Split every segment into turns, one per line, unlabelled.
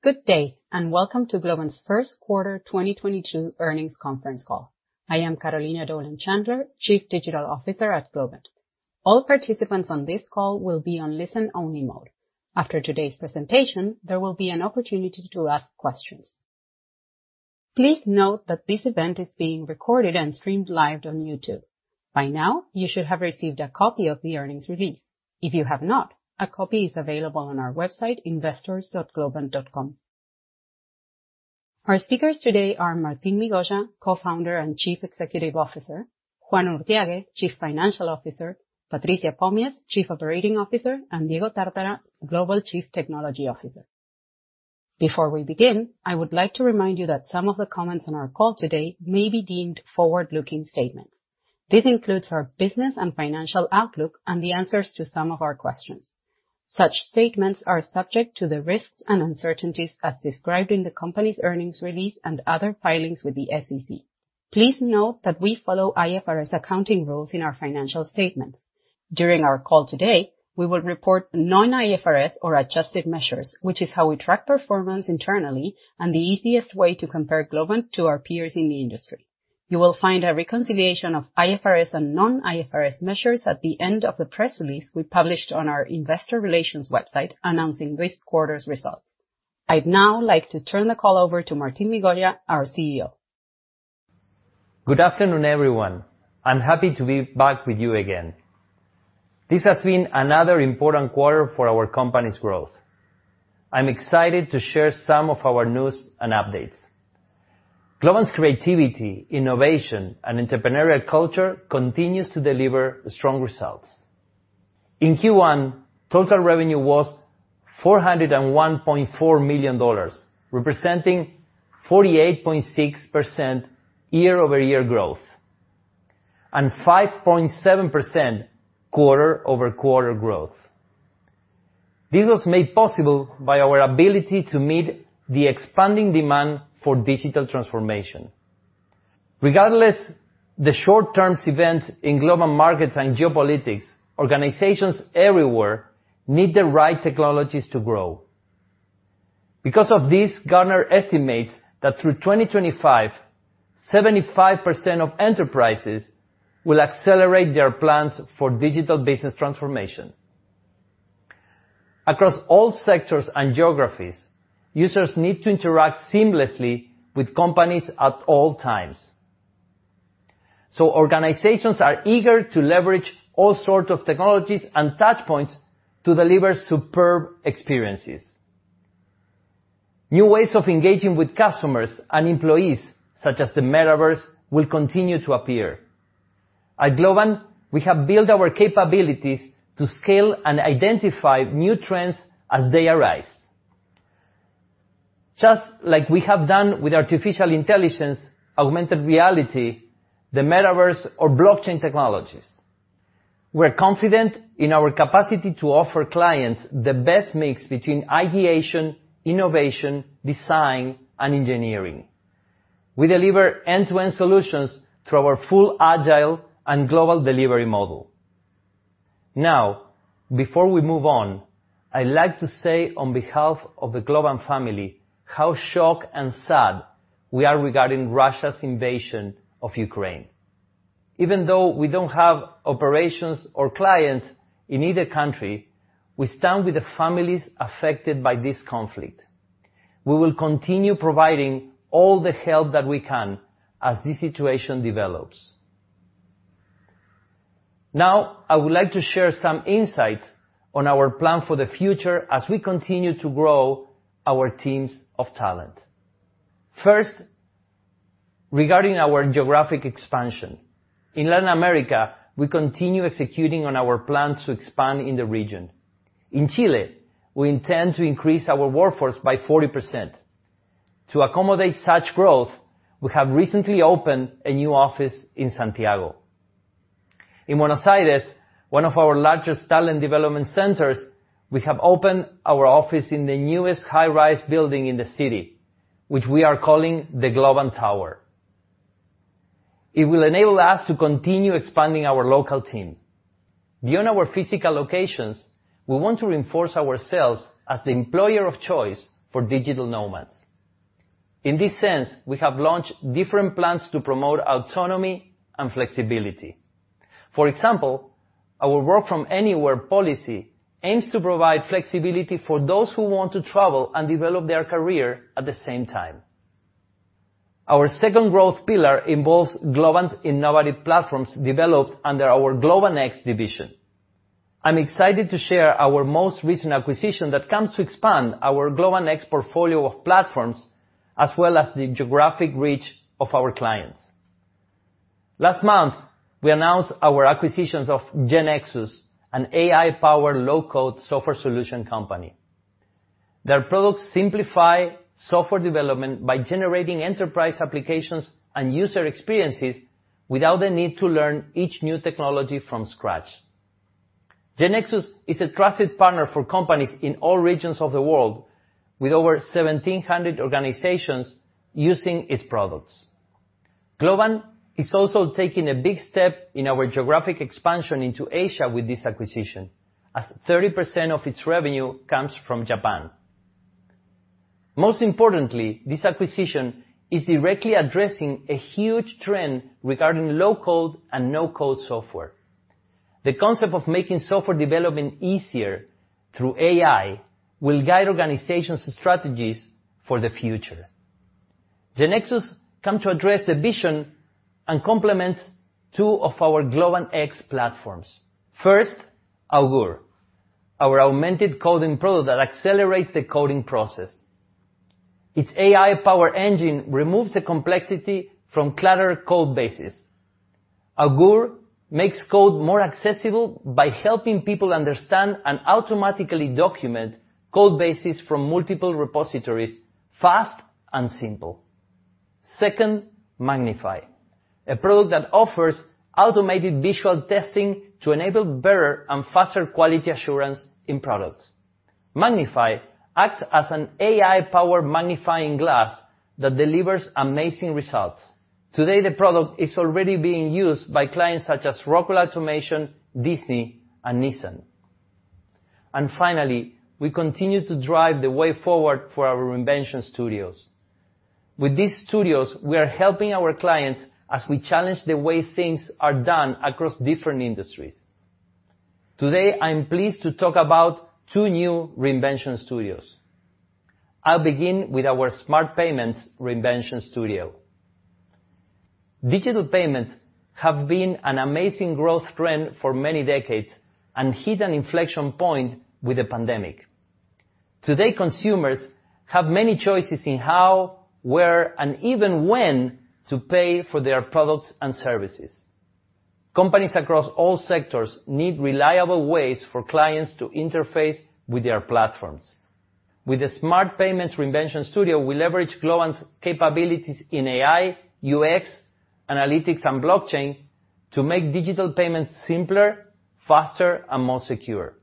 Good day, and welcome to Globant's First Quarter 2022 Earnings Conference Call. I am Carolina Dolan Chandler, Chief Digital Officer at Globant. All participants on this call will be on listen-only mode. After today's presentation, there will be an opportunity to ask questions. Please note that this event is being recorded and streamed live on YouTube. By now, you should have received a copy of the earnings release. If you have not, a copy is available on our website, investors.globant.com. Our speakers today are Martín Migoya, Co-founder and Chief Executive Officer, Juan Urthiague, Chief Financial Officer, Patricia Pomies, Chief Operating Officer, and Diego Tártara, Global Chief Technology Officer. Before we begin, I would like to remind you that some of the comments on our call today may be deemed forward-looking statements. This includes our business and financial outlook and the answers to some of our questions. Such statements are subject to the risks and uncertainties as described in the company's earnings release and other filings with the SEC. Please note that we follow IFRS accounting rules in our financial statements. During our call today, we will report non-IFRS or adjusted measures, which is how we track performance internally and the easiest way to compare Globant to our peers in the industry. You will find a reconciliation of IFRS and non-IFRS measures at the end of the press release we published on our investor relations website announcing this quarter's results. I'd now like to turn the call over to Martín Migoya, our CEO.
Good afternoon, everyone. I'm happy to be back with you again. This has been another important quarter for our company's growth. I'm excited to share some of our news and updates. Globant's creativity, innovation, and entrepreneurial culture continues to deliver strong results. In Q1, total revenue was $401.4 million, representing 48.6% year-over-year growth, and 5.7% quarter-over-quarter growth. This was made possible by our ability to meet the expanding demand for digital transformation. Regardless the short-term events in global markets and geopolitics, organizations everywhere need the right technologies to grow. Because of this, Gartner estimates that through 2025, 75% of enterprises will accelerate their plans for digital business transformation. Across all sectors and geographies, users need to interact seamlessly with companies at all times. Organizations are eager to leverage all sorts of technologies and touch points to deliver superb experiences. New ways of engaging with customers and employees, such as the Metaverse, will continue to appear. At Globant, we have built our capabilities to scale and identify new trends as they arise. Just like we have done with artificial intelligence, augmented reality, the Metaverse or blockchain technologies, we're confident in our capacity to offer clients the best mix between ideation, innovation, design, and engineering. We deliver end-to-end solutions through our full agile and global delivery model. Now, before we move on, I like to say on behalf of the Globant family, how shocked and sad we are regarding Russia's invasion of Ukraine. Even though we don't have operations or clients in either country, we stand with the families affected by this conflict. We will continue providing all the help that we can as this situation develops. Now, I would like to share some insights on our plan for the future as we continue to grow our teams of talent. First, regarding our geographic expansion. In Latin America, we continue executing on our plans to expand in the region. In Chile, we intend to increase our workforce by 40%. To accommodate such growth, we have recently opened a new office in Santiago. In Buenos Aires, one of our largest talent development centers, we have opened our office in the newest high-rise building in the city, which we are calling the Globant Tower. It will enable us to continue expanding our local team. Beyond our physical locations, we want to reinforce ourselves as the employer of choice for digital nomads. In this sense, we have launched different plans to promote autonomy and flexibility. For example, our work from anywhere policy aims to provide flexibility for those who want to travel and develop their career at the same time. Our second growth pillar involves Globant's innovative platforms developed under our Globant X division. I'm excited to share our most recent acquisition that comes to expand our Globant X portfolio of platforms, as well as the geographic reach of our clients. Last month, we announced our acquisitions of GeneXus, an AI-powered low-code software solution company. Their products simplify software development by generating enterprise applications and user experiences without the need to learn each new technology from scratch. GeneXus is a trusted partner for companies in all regions of the world with over 1,700 organizations using its products. Globant is also taking a big step in our geographic expansion into Asia with this acquisition, as 30% of its revenue comes from Japan. Most importantly, this acquisition is directly addressing a huge trend regarding low-code and no-code software. The concept of making software development easier through AI will guide organizations' strategies for the future. GeneXus come to address the vision and complement two of our Globant X platforms. First, Augur, our augmented coding product that accelerates the coding process. Its AI-powered engine removes the complexity from clutter code bases. Augur makes code more accessible by helping people understand and automatically document code bases from multiple repositories fast and simple. Second, MagnifAI, a product that offers automated visual testing to enable better and faster quality assurance in products. MagnifAI acts as an AI-powered magnifying glass that delivers amazing results. Today, the product is already being used by clients such as Rockwell Automation, Disney, and Nissan. Finally, we continue to drive the way forward for our reinvention studios. With these studios, we are helping our clients as we challenge the way things are done across different industries. Today, I'm pleased to talk about two new reinvention studios. I'll begin with our smart payments reinvention studio. Digital payments have been an amazing growth trend for many decades and hit an inflection point with the pandemic. Today, consumers have many choices in how, where, and even when to pay for their products and services. Companies across all sectors need reliable ways for clients to interface with their platforms. With the smart payments reinvention studio, we leverage Globant's capabilities in AI, UX, analytics, and blockchain to make digital payments simpler, faster, and more secure.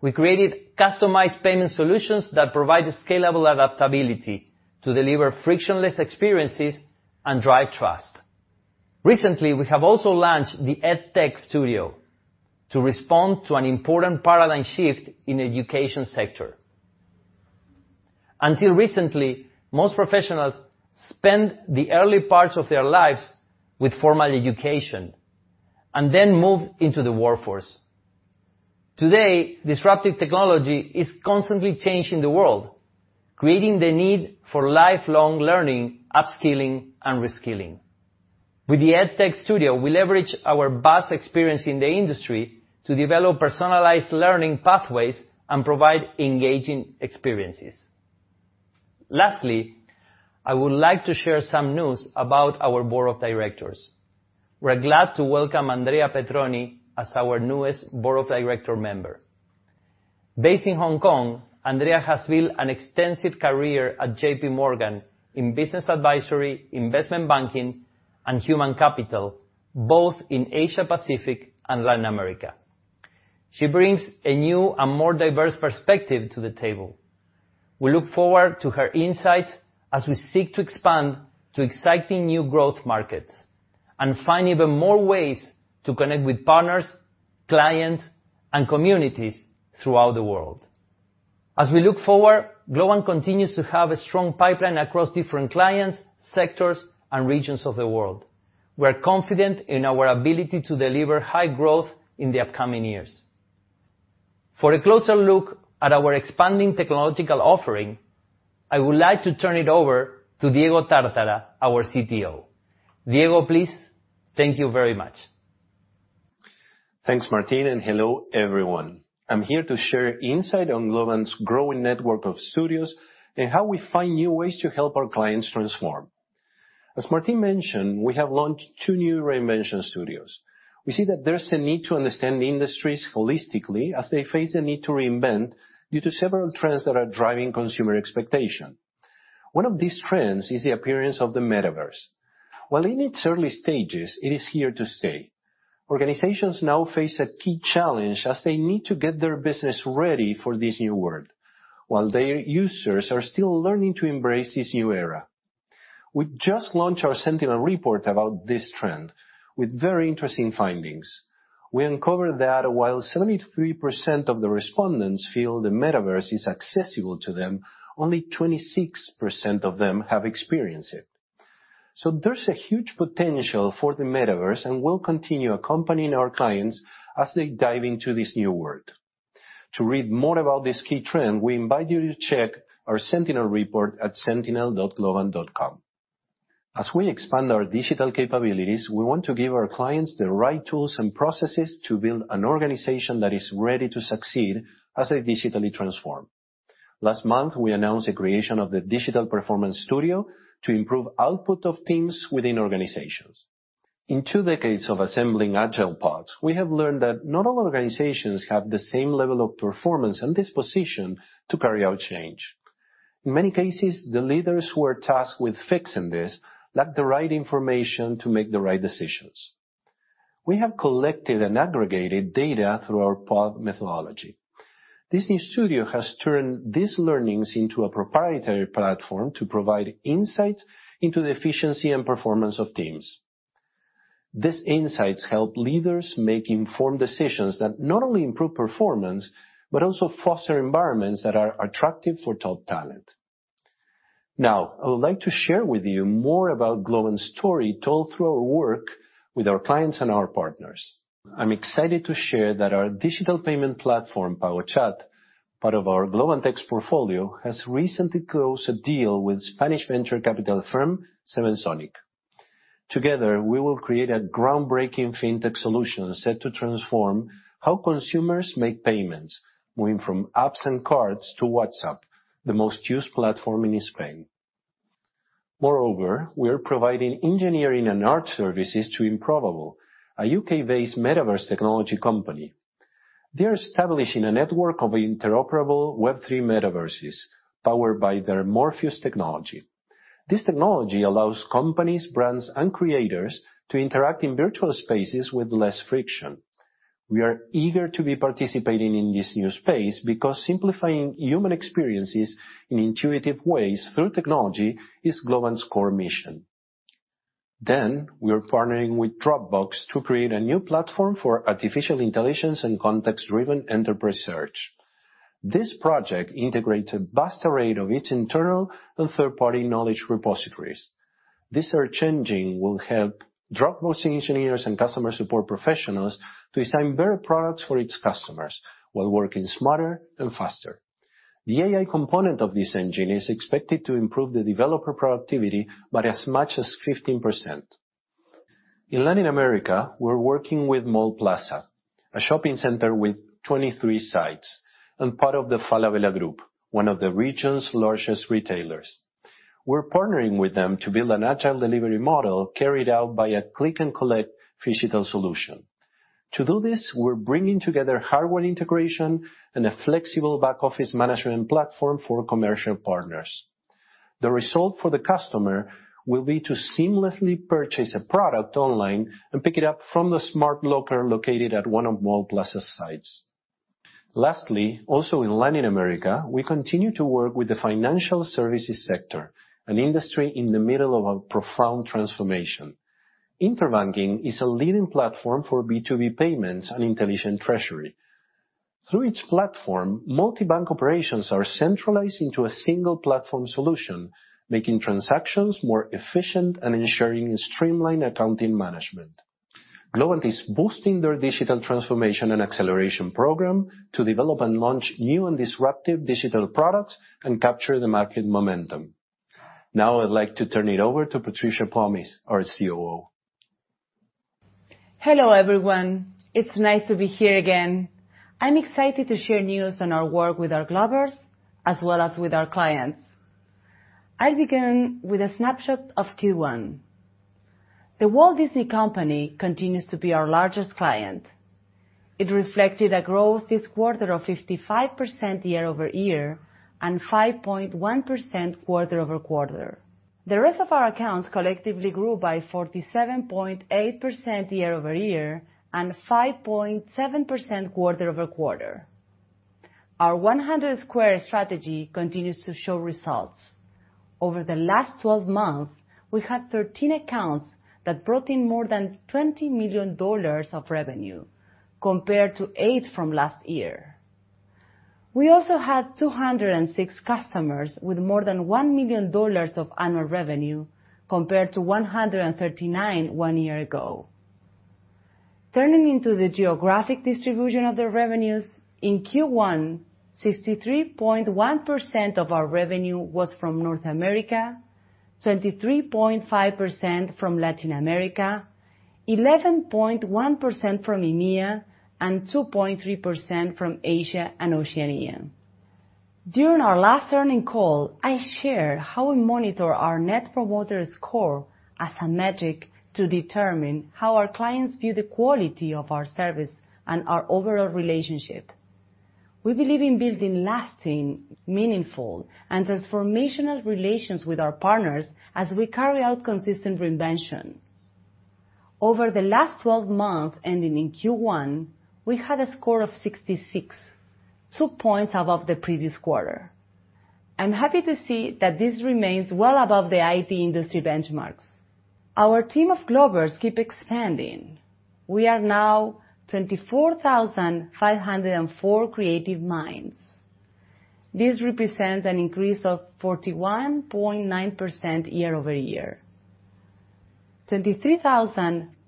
We created customized payment solutions that provide scalable adaptability to deliver frictionless experiences and drive trust. Recently, we have also launched the EdTech Studio to respond to an important paradigm shift in education sector. Until recently, most professionals spend the early parts of their lives with formal education and then move into the workforce. Today, disruptive technology is constantly changing the world, creating the need for lifelong learning, upskilling, and reskilling. With the EdTech Studio, we leverage our vast experience in the industry to develop personalized learning pathways and provide engaging experiences. Lastly, I would like to share some news about our board of directors. We're glad to welcome Andrea Petrone as our newest board of director member. Based in Hong Kong, Andrea has built an extensive career at JPMorgan in business advisory, investment banking, and human capital, both in Asia-Pacific and Latin America. She brings a new and more diverse perspective to the table. We look forward to her insights as we seek to expand to exciting new growth markets and find even more ways to connect with partners, clients, and communities throughout the world. As we look forward, Globant continues to have a strong pipeline across different clients, sectors, and regions of the world. We're confident in our ability to deliver high growth in the upcoming years. For a closer look at our expanding technological offering, I would like to turn it over to Diego Tártara, our CTO. Diego, please. Thank you very much.
Thanks, Martín, and hello, everyone. I'm here to share insight on Globant's growing network of studios and how we find new ways to help our clients transform. As Martín mentioned, we have launched two new reinvention studios. We see that there's a need to understand the industries holistically as they face a need to reinvent due to several trends that are driving consumer expectation. One of these trends is the appearance of the Metaverse. While in its early stages, it is here to stay. Organizations now face a key challenge as they need to get their business ready for this new world, while their users are still learning to embrace this new era. We just launched our Sentinel Report about this trend with very interesting findings. We uncovered that while 73% of the respondents feel the Metaverse is accessible to them, only 26% of them have experienced it. There's a huge potential for the Metaverse, and we'll continue accompanying our clients as they dive into this new world. To read more about this key trend, we invite you to check our Sentinel Report at sentinel.globant.com. As we expand our digital capabilities, we want to give our clients the right tools and processes to build an organization that is ready to succeed as they digitally transform. Last month, we announced the creation of the Digital Performance Studio to improve output of teams within organizations. In two decades of assembling agile parts, we have learned that not all organizations have the same level of performance and disposition to carry out change. In many cases, the leaders who are tasked with fixing this lack the right information to make the right decisions. We have collected and aggregated data through our POD methodology. Disney Studio has turned these learnings into a proprietary platform to provide insights into the efficiency and performance of teams. These insights help leaders make informed decisions that not only improve performance but also foster environments that are attractive for top talent. Now, I would like to share with you more about Globant's story told through our work with our clients and our partners. I'm excited to share that our digital payment platform, Powerchat, part of our Globant Tech portfolio, has recently closed a deal with Spanish venture capital firm Sevenzonic Ventures. Together, we will create a groundbreaking fintech solution set to transform how consumers make payments, moving from apps and cards to WhatsApp, the most used platform in Spain. Moreover, we are providing engineering and art services to Improbable, a U.K.-based metaverse technology company. They're establishing a network of interoperable Web3 metaverses powered by their Morpheus technology. This technology allows companies, brands, and creators to interact in virtual spaces with less friction. We are eager to be participating in this new space because simplifying human experiences in intuitive ways through technology is Globant's core mission. We are partnering with Dropbox to create a new platform for artificial intelligence and context-driven enterprise search. This project integrates a vast array of its internal and third-party knowledge repositories. This search engine will help Dropbox engineers and customer support professionals to design better products for its customers while working smarter and faster. The AI component of this engine is expected to improve the developer productivity by as much as 15%. In Latin America, we're working with Mallplaza, a shopping center with 23 sites and part of the Falabella group, one of the region's largest retailers. We're partnering with them to build an agile delivery model carried out by a click-and-collect phygital solution. To do this, we're bringing together hardware integration and a flexible back-office management platform for commercial partners. The result for the customer will be to seamlessly purchase a product online and pick it up from the smart locker located at one of Mallplaza's sites. Lastly, also in Latin America, we continue to work with the financial services sector, an industry in the middle of a profound transformation. Interbanking is a leading platform for B2B payments and intelligent treasury. Through its platform, multi-bank operations are centralized into a single platform solution, making transactions more efficient and ensuring streamlined accounting management. Globant is boosting their digital transformation and acceleration program to develop and launch new and disruptive digital products and capture the market momentum. Now I'd like to turn it over to Patricia Pomies, our COO.
Hello, everyone. It's nice to be here again. I'm excited to share news on our work with our Globers as well as with our clients. I begin with a snapshot of Q1. The Walt Disney Company continues to be our largest client. It reflected a growth this quarter of 55% year-over-year and 5.1% quarter-over-quarter. The rest of our accounts collectively grew by 47.8% year-over-year and 5.7% quarter-over-quarter. Our 100-squared strategy continues to show results. Over the last twelve months, we had 13 accounts that brought in more than $20 million of revenue compared to eight from last year. We also had 206 customers with more than $1 million of annual revenue compared to 139 one year ago. Turning to the geographic distribution of the revenues, in Q1, 63.1% of our revenue was from North America, 23.5% from Latin America, 11.1% from EMEA, and 2.3% from Asia and Oceania. During our last earnings call, I shared how we monitor our net promoter score as a metric to determine how our clients view the quality of our service and our overall relationship. We believe in building lasting, meaningful, and transformational relations with our partners as we carry out consistent reinvention. Over the last 12 months, ending in Q1, we had a score of 66, two points above the previous quarter. I'm happy to see that this remains well above the IT industry benchmarks. Our team of Globers keeps expanding. We are now 24,504 creative minds. This represents an increase of 41.9% year-over-year.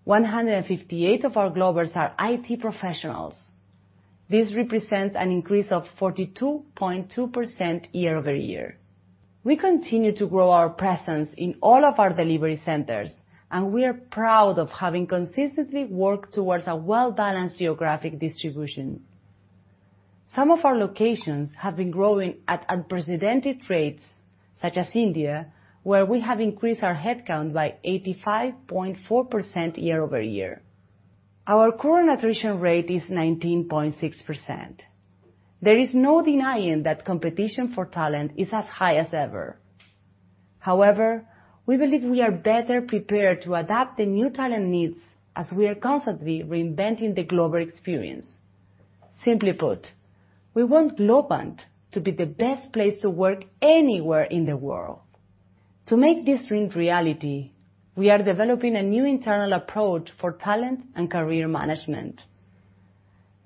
23,158 of our Globers are IT professionals. This represents an increase of 42.2% year-over-year. We continue to grow our presence in all of our delivery centers, and we are proud of having consistently worked towards a well-balanced geographic distribution. Some of our locations have been growing at unprecedented rates, such as India, where we have increased our headcount by 85.4% year-over-year. Our current attrition rate is 19.6%. There is no denying that competition for talent is as high as ever. However, we believe we are better prepared to adapt the new talent needs as we are constantly reinventing the Glober experience. Simply put, we want Globant to be the best place to work anywhere in the world. To make this dream reality, we are developing a new internal approach for talent and career management.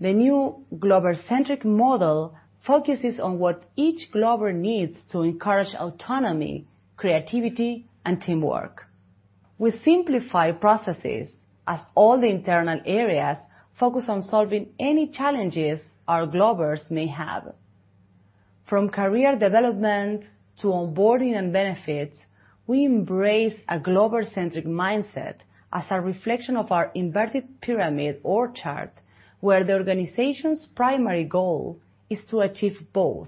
The new Glober-centric model focuses on what each Glober needs to encourage autonomy, creativity, and teamwork. We simplify processes as all the internal areas focus on solving any challenges our Globers may have. From career development to onboarding and benefits, we embrace a Glober-centric mindset as a reflection of our inverted pyramid org chart, where the organization's primary goal is to achieve both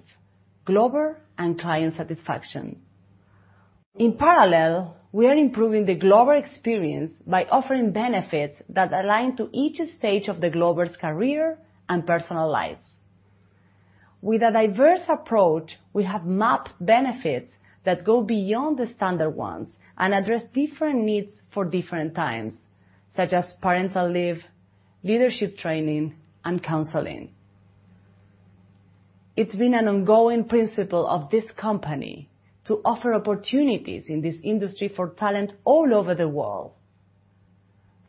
Glober and client satisfaction. In parallel, we are improving the Glober experience by offering benefits that align to each stage of the Glober's career and personal lives. With a diverse approach, we have mapped benefits that go beyond the standard ones and address different needs for different times, such as parental leave, leadership training, and counseling. It's been an ongoing principle of this company to offer opportunities in this industry for talent all over the world.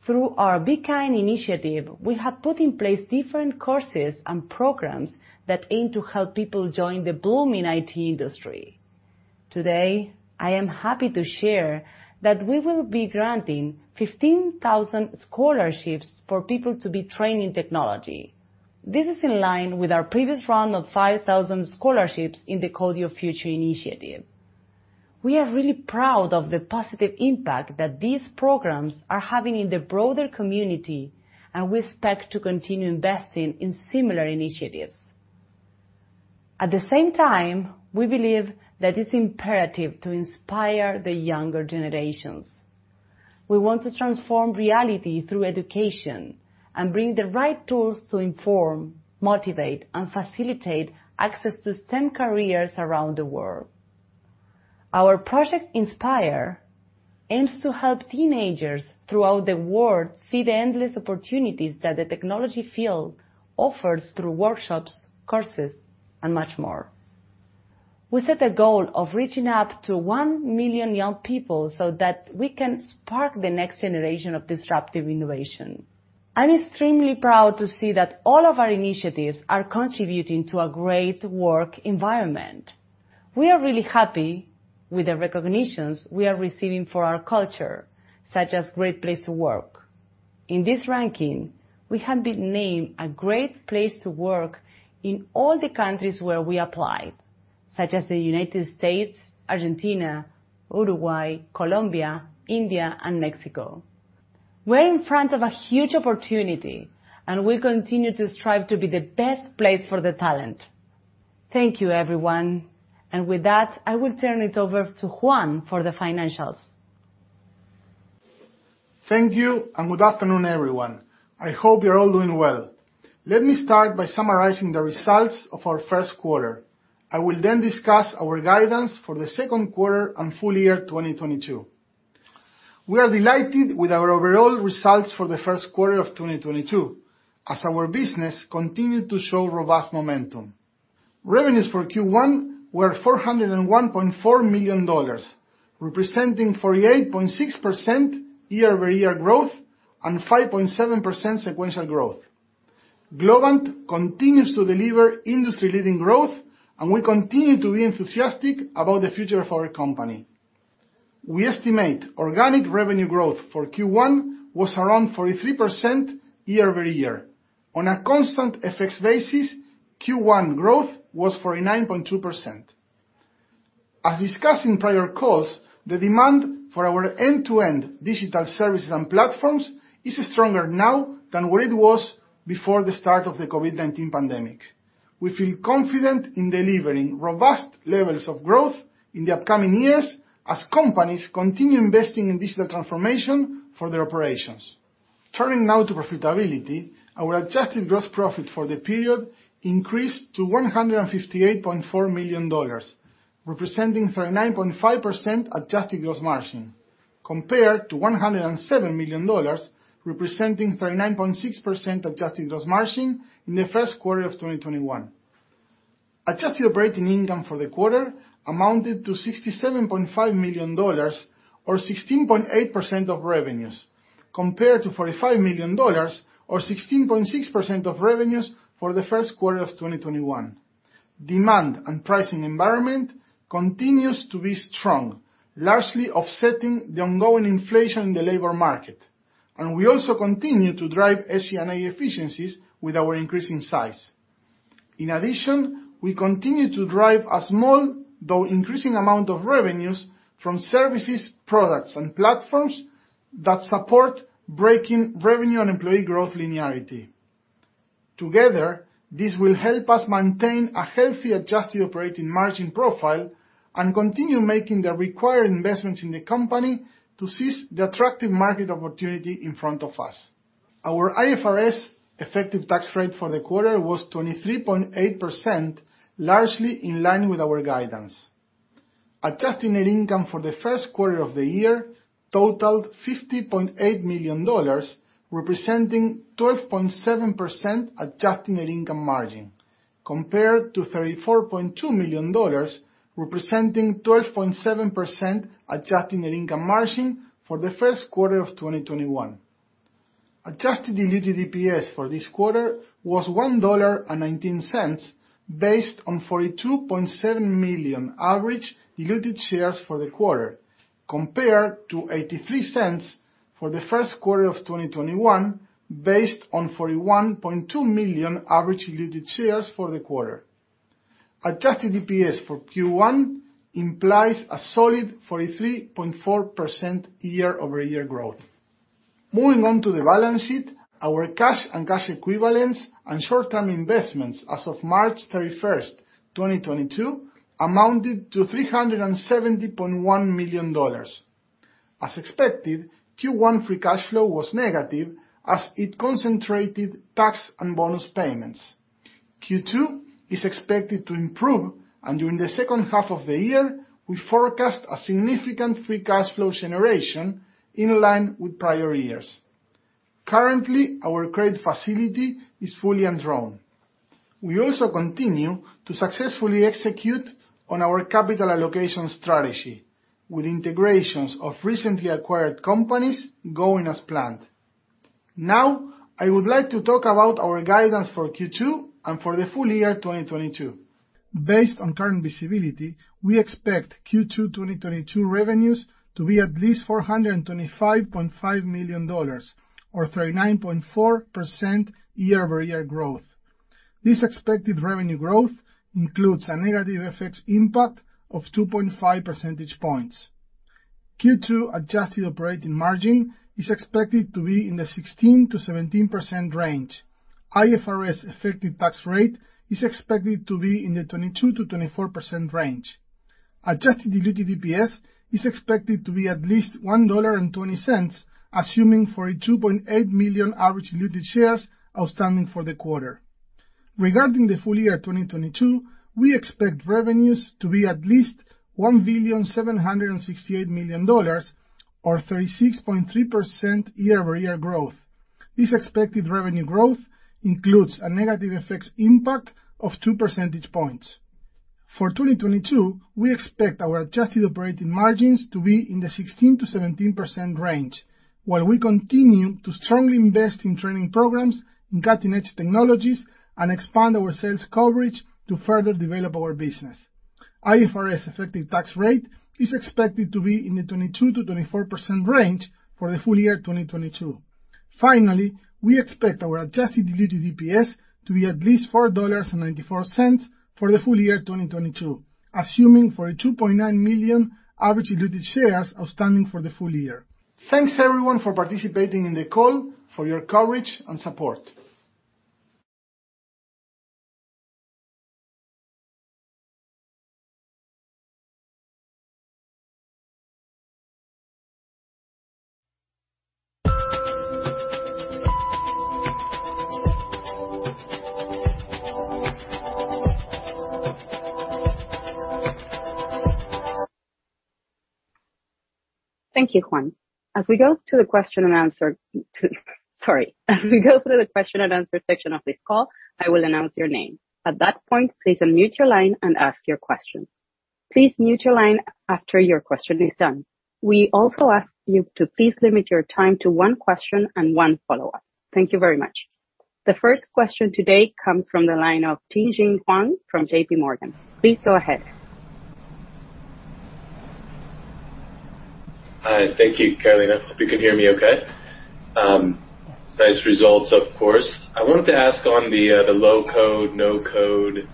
Through our Be Kind initiative, we have put in place different courses and programs that aim to help people join the booming IT industry. Today, I am happy to share that we will be granting 15,000 scholarships for people to be trained in technology. This is in line with our previous round of 5,000 scholarships in the Code Your Future initiative. We are really proud of the positive impact that these programs are having in the broader community, and we expect to continue investing in similar initiatives. At the same time, we believe that it's imperative to inspire the younger generations. We want to transform reality through education and bring the right tools to inform, motivate, and facilitate access to STEM careers around the world. Our Project Inspire aims to help teenagers throughout the world see the endless opportunities that the technology field offers through workshops, courses, and much more. We set a goal of reaching out to 1 million young people so that we can spark the next generation of disruptive innovation. I'm extremely proud to see that all of our initiatives are contributing to a great work environment. We are really happy with the recognitions we are receiving for our culture, such as Great Place to Work. In this ranking, we have been named a great place to work in all the countries where we applied, such as the United States, Argentina, Uruguay, Colombia, India, and Mexico. We're in front of a huge opportunity, and we continue to strive to be the best place for the talent. Thank you, everyone. With that, I will turn it over to Juan for the financials.
Thank you, and good afternoon, everyone. I hope you're all doing well. Let me start by summarizing the results of our first quarter. I will then discuss our guidance for the second quarter and full year 2022. We are delighted with our overall results for the first quarter of 2022 as our business continued to show robust momentum. Revenues for Q1 were $401.4 million, representing 48.6% year-over-year growth and 5.7% sequential growth. Globant continues to deliver industry-leading growth, and we continue to be enthusiastic about the future of our company. We estimate organic revenue growth for Q1 was around 43% year-over-year. On a constant FX basis, Q1 growth was 49.2%. As discussed in prior calls, the demand for our end-to-end digital services and platforms is stronger now than what it was before the start of the COVID-19 pandemic. We feel confident in delivering robust levels of growth in the upcoming years as companies continue investing in digital transformation for their operations. Turning now to profitability, our adjusted gross profit for the period increased to $158.4 million, representing 39.5% adjusted gross margin, compared to $107 million, representing 39.6% adjusted gross margin in the first quarter of 2021. Adjusted operating income for the quarter amounted to $67.5 million or 16.8% of revenues compared to $45 million or 16.6% of revenues for the first quarter of 2021. Demand and pricing environment continues to be strong, largely offsetting the ongoing inflation in the labor market, and we also continue to drive SG&A efficiencies with our increasing size. In addition, we continue to drive a small, though increasing amount of revenues from services, products, and platforms that support breaking revenue and employee growth linearity. Together, this will help us maintain a healthy adjusted operating margin profile and continue making the required investments in the company to seize the attractive market opportunity in front of us. Our IFRS effective tax rate for the quarter was 23.8%, largely in line with our guidance. Adjusted net income for the first quarter of the year totaled $50.8 million, representing 12.7% adjusted net income margin compared to $34.2 million, representing 12.7% adjusted net income margin for the first quarter of 2021. Adjusted diluted EPS for this quarter was $1.19, based on 42.7 million average diluted shares for the quarter, compared to $0.83 for the first quarter of 2021, based on 41.2 million average diluted shares for the quarter. Adjusted EPS for Q1 implies a solid 43.4% year-over-year growth. Moving on to the balance sheet, our cash and cash equivalents and short-term investments as of March 31st, 2022 amounted to $370.1 million. As expected, Q1 free cash flow was negative as it concentrated tax and bonus payments. Q2 is expected to improve, and during the second half of the year, we forecast a significant free cash flow generation in line with prior years. Currently, our credit facility is fully undrawn. We also continue to successfully execute on our capital allocation strategy, with integrations of recently acquired companies going as planned. Now, I would like to talk about our guidance for Q2 and for the full year 2022. Based on current visibility, we expect Q2 2022 revenues to be at least $425.5 million or 39.4% year-over-year growth. This expected revenue growth includes a negative effects impact of 2.5 percentage points. Q2 adjusted operating margin is expected to be in the 16%-17% range. IFRS effective tax rate is expected to be in the 22%-24% range. Adjusted diluted EPS is expected to be at least $1.20, assuming 42.8 million average diluted shares outstanding for the quarter. Regarding the full year 2022, we expect revenues to be at least $1.768 billion or 36.3% year-over-year growth. This expected revenue growth includes a negative effects impact of two percentage points. For 2022, we expect our adjusted operating margins to be in the 16%-17% range, while we continue to strongly invest in training programs in cutting-edge technologies and expand our sales coverage to further develop our business. IFRS effective tax rate is expected to be in the 22%-24% range for the full year 2022. Finally, we expect our adjusted diluted EPS to be at least $4.94 for the full year 2022, assuming 42.9 million average diluted shares outstanding for the full year. Thanks everyone for participating in the call, for your coverage and support.
Thank you, Juan. As we go through the question and answer section of this call, I will announce your name. At that point, please unmute your line and ask your question. Please mute your line after your question is done. We also ask you to please limit your time to one question and one follow-up. Thank you very much. The first question today comes from the line of Tien-Tsin Huang from JPMorgan. Please go ahead.
Thank you, Carolina. Hope you can hear me okay. Nice results of course. I wanted to ask on the low-code/no-code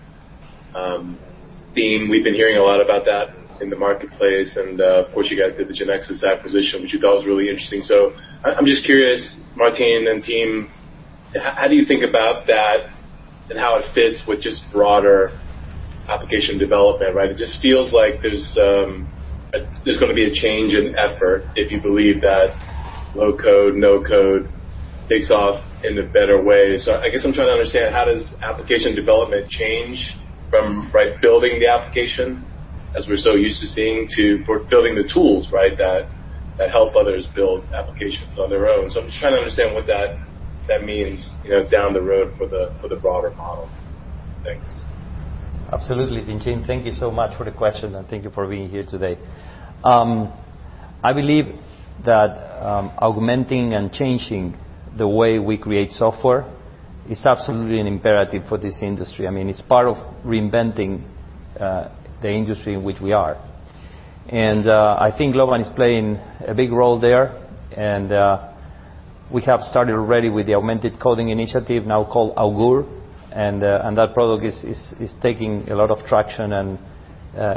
theme. We've been hearing a lot about that in the marketplace and, of course, you guys did the GeneXus acquisition, which we thought was really interesting. I'm just curious, Martín and team, how do you think about that and how it fits with just broader application development, right? It just feels like there's gonna be a change in effort if you believe that low-code/no-code takes off in a better way. I guess I'm trying to understand how application development changes from, right, building the application as we're so used to seeing to, for building the tools, right? That help others build applications on their own. I'm just trying to understand what that means, you know, down the road for the broader model. Thanks.
Absolutely, Tien-Tsin Huang. Thank you so much for the question, and thank you for being here today. I believe that, augmenting and changing the way we create software is absolutely an imperative for this industry. I mean, it's part of reinventing, the industry in which we are. I think Globant is playing a big role there. We have started already with the Augmented Coding initiative now called Augur. That product is taking a lot of traction and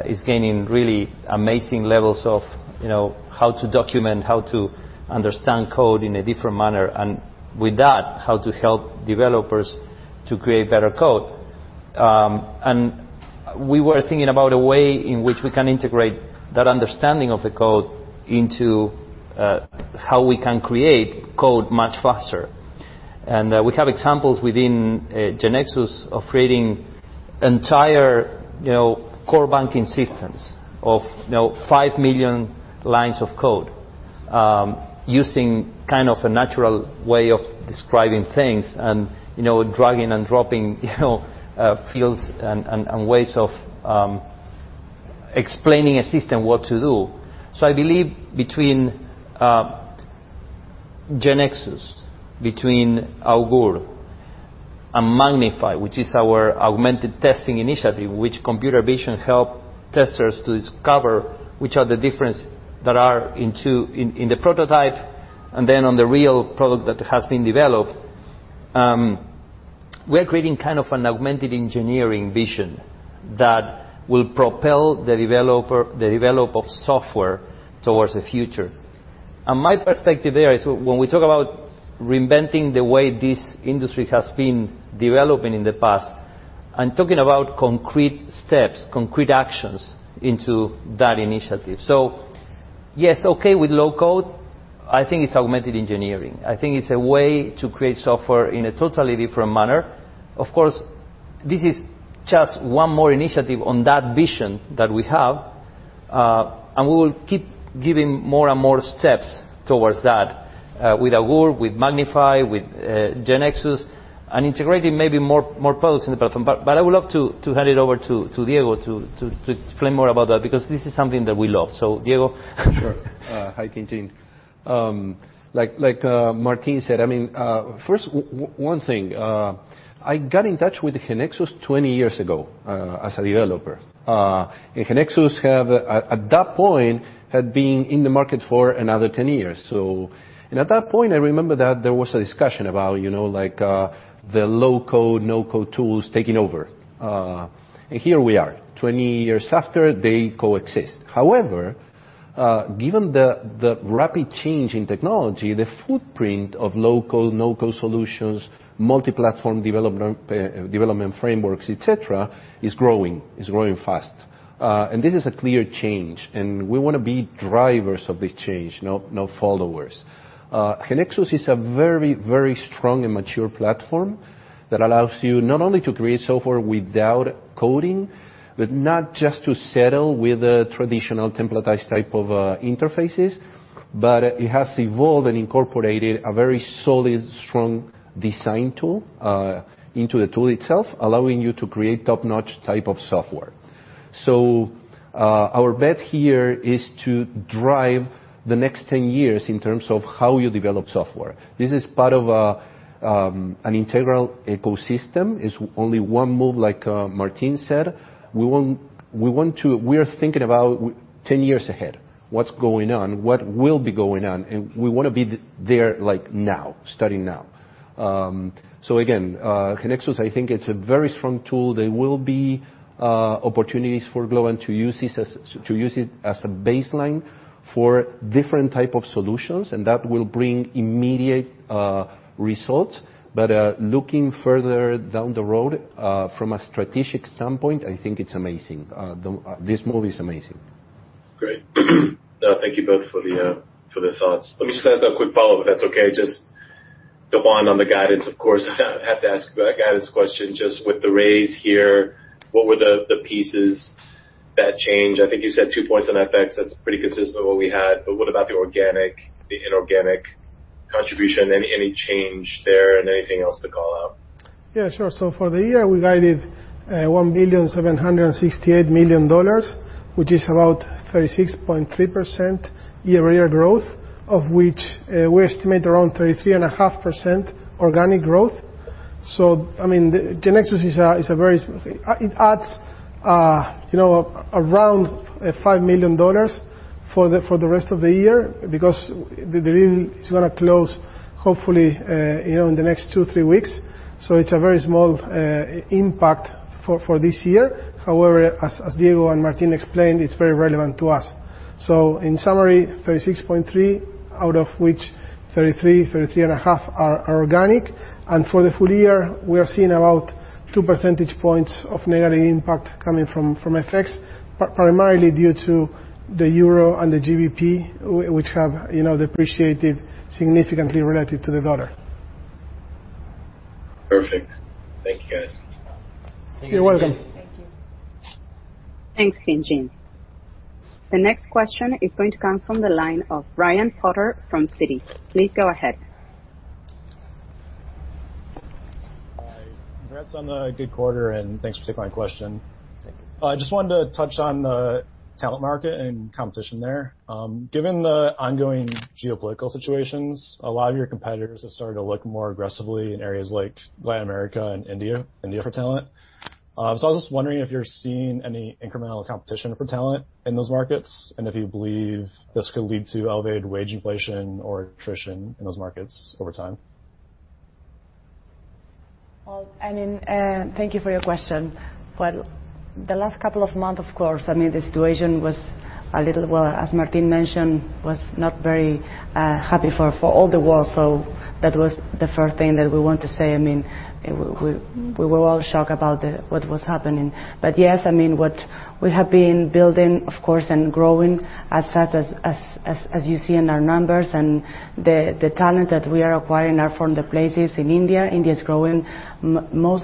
is gaining really amazing levels of, you know, how to document, how to understand code in a different manner, and with that, how to help developers to create better code. We were thinking about a way in which we can integrate that understanding of the code into, how we can create code much faster. We have examples within GeneXus of creating entire, you know, core banking systems of, you know, 5 million lines of code, using kind of a natural way of describing things and, you know, dragging and dropping, you know, fields and ways of explaining a system what to do. I believe between GeneXus, Augur and Magnifi, which is our augmented testing initiative, which computer vision help testers to discover which are the difference that are in the prototype and then on the real product that has been developed. We are creating kind of an augmented engineering vision that will propel the development of software towards the future. My perspective there is when we talk about reinventing the way this industry has been developing in the past. I'm talking about concrete steps, concrete actions into that initiative. Yes, okay, with low code, I think it's augmented engineering. I think it's a way to create software in a totally different manner. Of course, this is just one more initiative on that vision that we have, and we will keep giving more and more steps towards that, with Augmented Coding, with Magnifi, with GeneXus, and integrating maybe more products in the platform. But I would love to hand it over to Diego to explain more about that because this is something that we love. Diego.
Sure. Hi, Tien-Tsin Huang. Like Martin said, I mean, first one thing, I got in touch with GeneXus 20 years ago, as a developer. GeneXus have at that point had been in the market for another 10 years. At that point, I remember that there was a discussion about, you know, like, the low-code, no-code tools taking over. Here we are, 20 years after, they coexist. However, given the rapid change in technology, the footprint of low-code, no-code solutions, multi-platform development frameworks, et cetera, is growing fast. This is a clear change, and we wanna be drivers of this change, not followers. GeneXus is a very, very strong and mature platform that allows you not only to create software without coding, but not just to settle with the traditional templatized type of interfaces, but it has evolved and incorporated a very solid, strong design tool into the tool itself, allowing you to create top-notch type of software. Our bet here is to drive the next 10 years in terms of how you develop software. This is part of an integral ecosystem. It's only one move, like, Martín said. We are thinking about 10 years ahead, what's going on, what will be going on, and we wanna be there, like, now, starting now. GeneXus, I think it's a very strong tool. There will be opportunities for Globant to use this as to use it as a baseline for different type of solutions, and that will bring immediate results. Looking further down the road from a strategic standpoint, I think it's amazing. This move is amazing.
Great. Thank you both for the thoughts. Let me just ask a quick follow-up if that's okay. Just, Juan, on the guidance, of course, have to ask a guidance question. Just with the raise here, what were the pieces that changed? I think you said two points on FX. That's pretty consistent with what we had. What about the organic, inorganic contribution? Any change there and anything else to call out?
Yeah, sure. For the year, we guided $1,768 million, which is about 36.3% year-over-year growth, of which we estimate around 33.5% organic growth. I mean, GeneXus. It adds, you know, around $5 million for the rest of the year because the deal is gonna close hopefully, you know, in the next two to three weeks. It's a very small impact for this year. However, as Diego and Martín explained, it's very relevant to us. In summary, 36.3%, out of which 33.5% are organic. For the full year, we are seeing about 2 percentage points of negative impact coming from FX, primarily due to the euro and the GBP which have, you know, depreciated significantly relative to the dollar.
Perfect. Thank you, guys.
You're welcome.
Thank you.
Thanks, Tien-Tsin Huang. The next question is going to come from the line of Ryan Potter from Citi. Please go ahead.
Hi. Congrats on the good quarter, and thanks for taking my question.
Thank you.
I just wanted to touch on the talent market and competition there. Given the ongoing geopolitical situations, a lot of your competitors have started to look more aggressively in areas like Latin America and India for talent. I was just wondering if you're seeing any incremental competition for talent in those markets and if you believe this could lead to elevated wage inflation or attrition in those markets over time.
Well, I mean, thank you for your question. Well, the last couple of months, of course, I mean, the situation was a little, well, as Martín mentioned, was not very happy for all the world. That was the first thing that we want to say. I mean, we were all shocked about what was happening. Yes, I mean, what we have been building, of course, and growing as fast as you see in our numbers and the talent that we are acquiring are from the places in India. India is growing more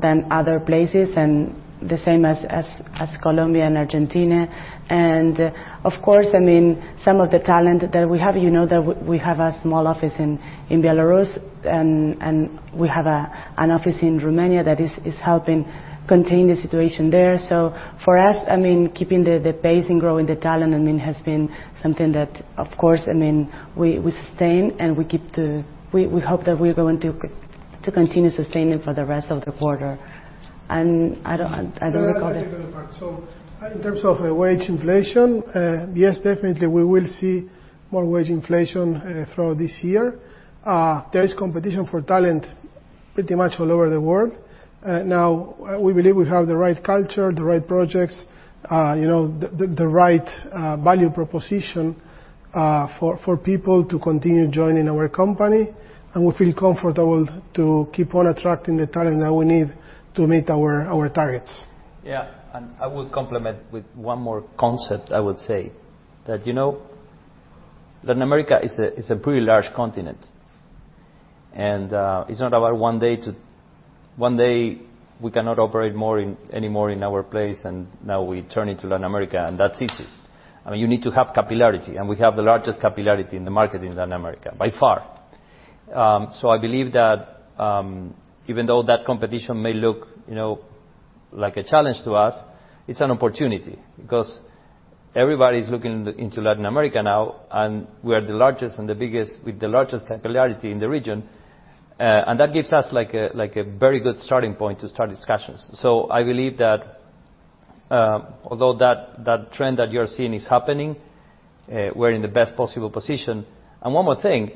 than other places and the same as Colombia and Argentina. Of course, I mean, some of the talent that we have, you know, that we have a small office in Belarus, and we have an office in Romania that is helping contain the situation there. For us, I mean, keeping the base and growing the talent, I mean, has been something that of course, I mean, we sustain and we hope that we're going to continue sustaining for the rest of the quarter. I don't recall the-
In terms of wage inflation, yes, definitely, we will see more wage inflation throughout this year. There is competition for talent pretty much all over the world. Now we believe we have the right culture, the right projects, you know, the right value proposition, for people to continue joining our company. We feel comfortable to keep on attracting the talent that we need to meet our targets.
Yeah. I would complement with one more concept, I would say. That Latin America is a pretty large continent. It's not about one day we cannot operate anymore in our place, and now we turn into Latin America, and that's easy. I mean, you need to have capillarity, and we have the largest capillarity in the market in Latin America, by far. I believe that even though that competition may look like a challenge to us, it's an opportunity because everybody's looking into Latin America now, and we are the largest and the biggest with the largest capillarity in the region. That gives us like a very good starting point to start discussions. I believe that although that trend that you're seeing is happening, we're in the best possible position. One more thing,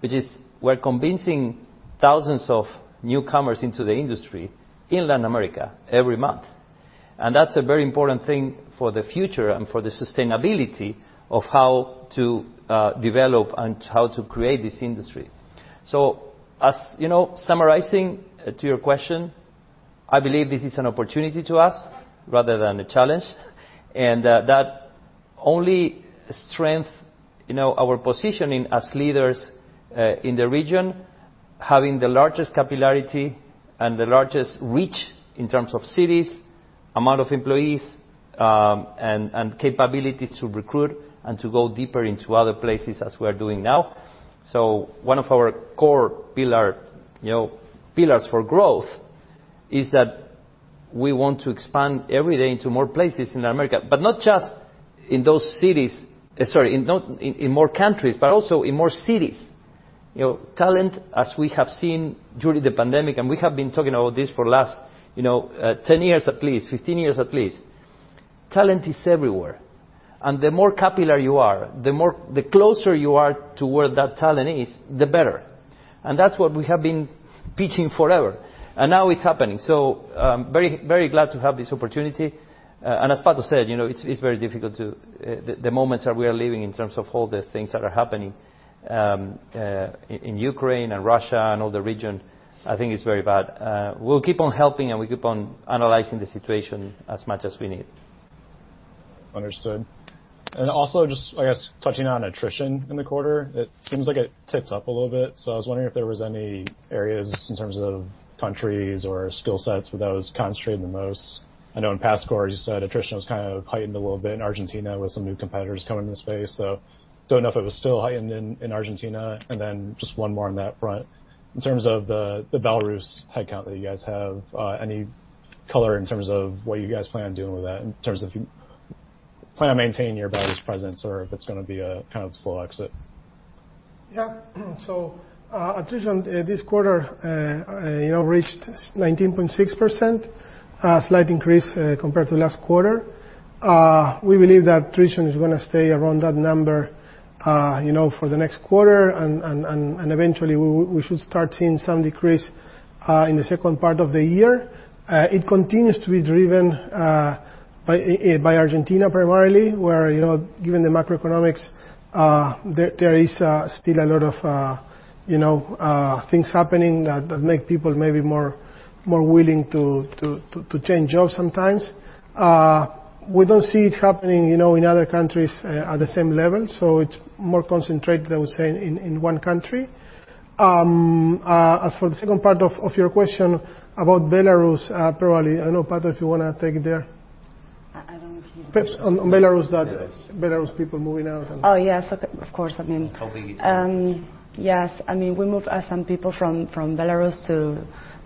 which is we're convincing thousands of newcomers into the industry in Latin America every month. That's a very important thing for the future and for the sustainability of how to develop and how to create this industry. As you know, summarizing to your question, I believe this is an opportunity to us rather than a challenge. That only strengthens our positioning as leaders in the region, having the largest capillarity and the largest reach in terms of cities, amount of employees, and capability to recruit and to go deeper into other places as we are doing now. One of our core pillars, you know, for growth is that we want to expand every day into more places in Latin America. Not just in those cities, in more countries, but also in more cities. You know, talent, as we have seen during the pandemic, and we have been talking about this for the last, you know, 10 years at least, 15 years at least. Talent is everywhere. The more capillary you are, the closer you are to where that talent is, the better. That's what we have been pitching forever. Now it's happening. Very, very glad to have this opportunity. And as Pato said, you know, it's very difficult to. The moments that we are living in terms of all the things that are happening in Ukraine and Russia and all the region, I think it's very bad. We'll keep on helping and we keep on analyzing the situation as much as we need.
Understood. Also just, I guess, touching on attrition in the quarter. It seems like it ticked up a little bit. I was wondering if there was any areas in terms of countries or skill sets where that was concentrated the most. I know in past quarters, you said attrition was kind of heightened a little bit in Argentina with some new competitors coming in the space. Don't know if it was still heightened in Argentina. Then just one more on that front. In terms of the Belarus headcount that you guys have, any color in terms of what you guys plan on doing with that in terms of if you plan on maintaining your Belarus presence or if it's gonna be a kind of slow exit?
Yeah. Attrition this quarter you know reached 19.6%. Slight increase compared to last quarter. We believe that attrition is gonna stay around that number you know for the next quarter and eventually we should start seeing some decrease in the second part of the year. It continues to be driven by Argentina primarily, where you know given the macroeconomics there is still a lot of you know things happening that make people maybe more willing to change jobs sometimes. We don't see it happening you know in other countries at the same level, so it's more concentrated, I would say, in one country. As for the second part of your question about Belarus, probably, I don't know, Pat, if you wanna take it there.
I don't understand the question.
On Belarus, that Belarus people moving out and.
Oh, yes. Of course. I mean.
How we-
Yes. I mean, we moved some people from Belarus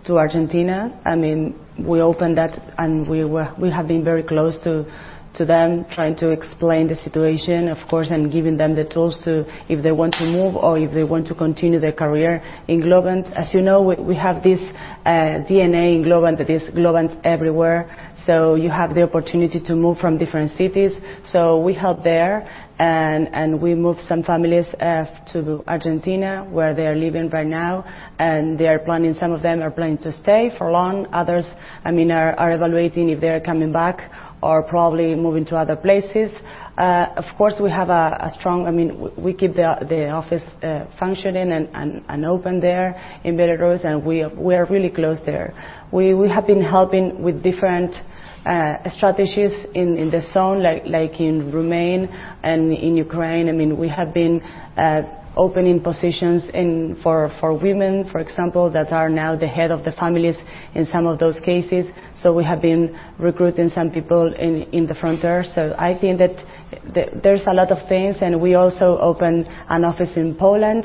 to Argentina. I mean, we opened that and we have been very close to them trying to explain the situation, of course, and giving them the tools to, if they want to move or if they want to continue their career in Globant. As you know, we have this DNA in Globant that is Globant everywhere. You have the opportunity to move from different cities. We help there, and we move some families to Argentina, where they are living right now, and they are planning. Some of them are planning to stay for long. Others, I mean, are evaluating if they're coming back or probably moving to other places. Of course, we have a strong. I mean, we keep the office functioning and open there in Belarus, and we are really close there. We have been helping with different strategies in the zone, like in Romania and in Ukraine. I mean, we have been opening positions for women, for example, that are now the head of the families in some of those cases. We have been recruiting some people in the frontier. I think that there's a lot of things, and we also opened an office in Poland,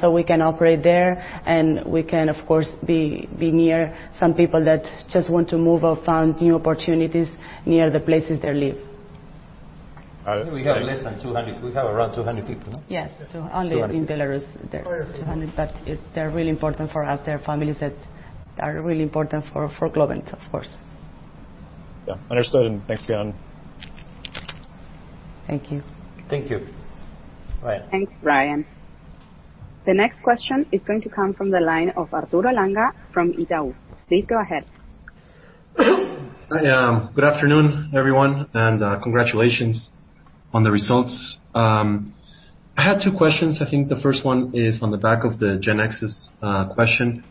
so we can operate there, and we can of course be near some people that just want to move or find new opportunities near the places they live.
All right.
I think we have less than 200. We have around 200 people, no?
Yes. Only in Belarus there, 200. But they're really important for us. They're families that are really important for Globant, of course.
Yeah. Understood, and thanks again.
Thank you.
Thank you. Ryan Potter.
Thanks, Ryan. The next question is going to come from the line of Arturo Langa from Itaú. Please go ahead.
Good afternoon, everyone, and congratulations on the results. I had two questions. I think the first one is on the back of the GeneXus question.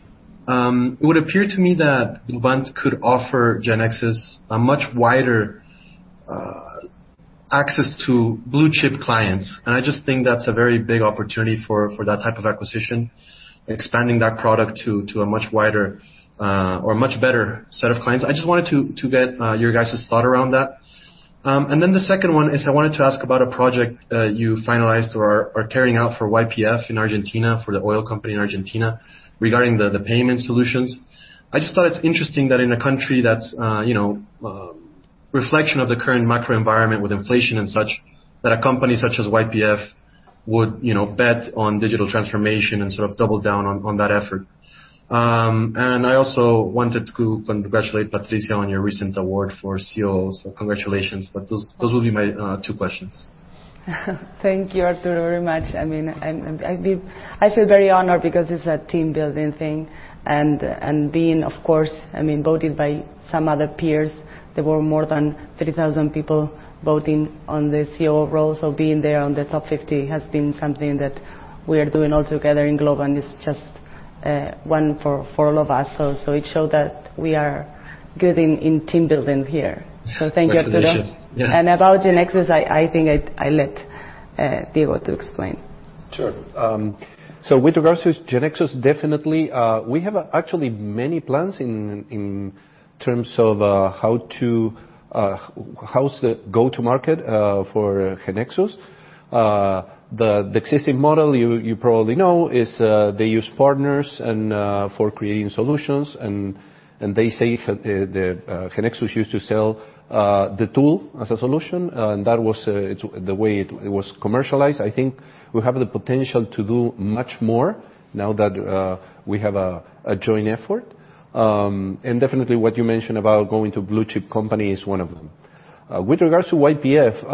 It would appear to me that Globant could offer GeneXus a much wider access to blue-chip clients, and I just think that's a very big opportunity for that type of acquisition, expanding that product to a much wider or much better set of clients. I just wanted to get your guys' thought around that. The second one is I wanted to ask about a project you finalized or are carrying out for YPF in Argentina, for the oil company in Argentina, regarding the payment solutions. I just thought it's interesting that in a country that's, you know, reflection of the current macro environment with inflation and such, that a company such as YPF would, you know, bet on digital transformation and sort of double down on that effort. I also wanted to congratulate Patricia on your recent award for CEO, so congratulations. Those will be my two questions.
Thank you, Arturo, very much. I mean, I feel very honored because it's a team-building thing and being of course, I mean, voted by some other peers. There were more than 30,000 people voting on the CEO role, so being there on the top 50 has been something that we are doing all together in Globant. It's just, one for all of us. It showed that we are good in team building here. Thank you, Arturo.
Congratulations. Yeah.
About GeneXus, I think I let Diego to explain.
Sure. With regards to GeneXus, definitely, we have actually many plans in terms of how to go-to-market for GeneXus. The existing model you probably know is they use partners for creating solutions and they say that the GeneXus used to sell the tool as a solution and that was the way it was commercialized. I think we have the potential to do much more now that we have a joint effort. Definitely what you mentioned about going to blue chip company is one of them. With regards to YPF,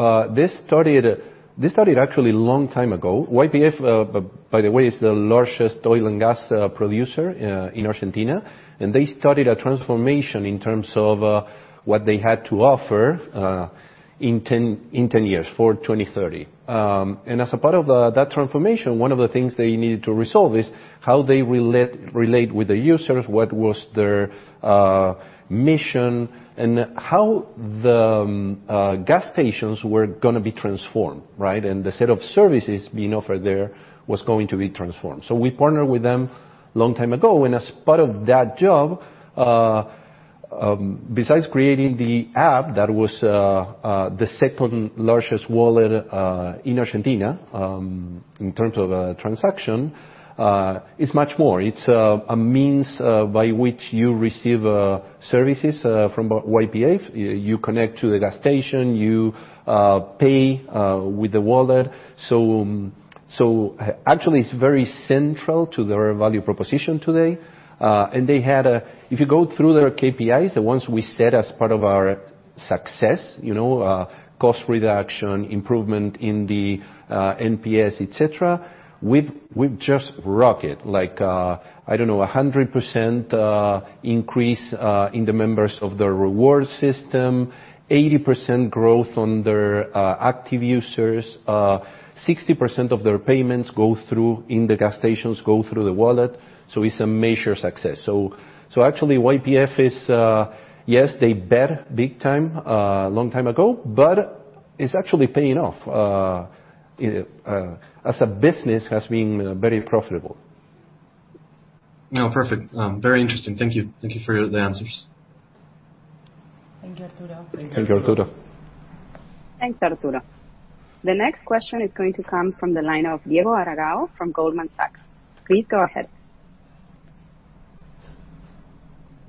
this started actually a long time ago. YPF, by the way, is the largest oil and gas producer in Argentina. They started a transformation in terms of what they had to offer in 10 years for 2030. As a part of that transformation, one of the things they needed to resolve is how they relate with the users, what was their mission, and how the gas stations were gonna be transformed, right? The set of services being offered there was going to be transformed. We partnered with them long time ago, and as part of that job, besides creating the app, that was the second-largest wallet in Argentina in terms of transaction, it's much more. It's a means by which you receive services from YPF. You connect to the gas station, you pay with the wallet. Actually it's very central to their value proposition today. If you go through their KPIs, the ones we set as part of our success, you know, cost reduction, improvement in the NPS, et cetera, we've just rocketed. Like, I don't know, 100% increase in the members of the reward system, 80% growth on their active users. 60% of their payments go through the wallet in the gas stations. It's a major success. Actually, YPF is, yes, they bet big time long time ago, but it's actually paying off. As a business has been very profitable.
No. Perfect. Very interesting. Thank you. Thank you for the answers.
Thank you, Arturo.
Thank you, Arturo.
Thanks, Arturo. The next question is going to come from the line of Diego Aragao from Goldman Sachs. Please go ahead.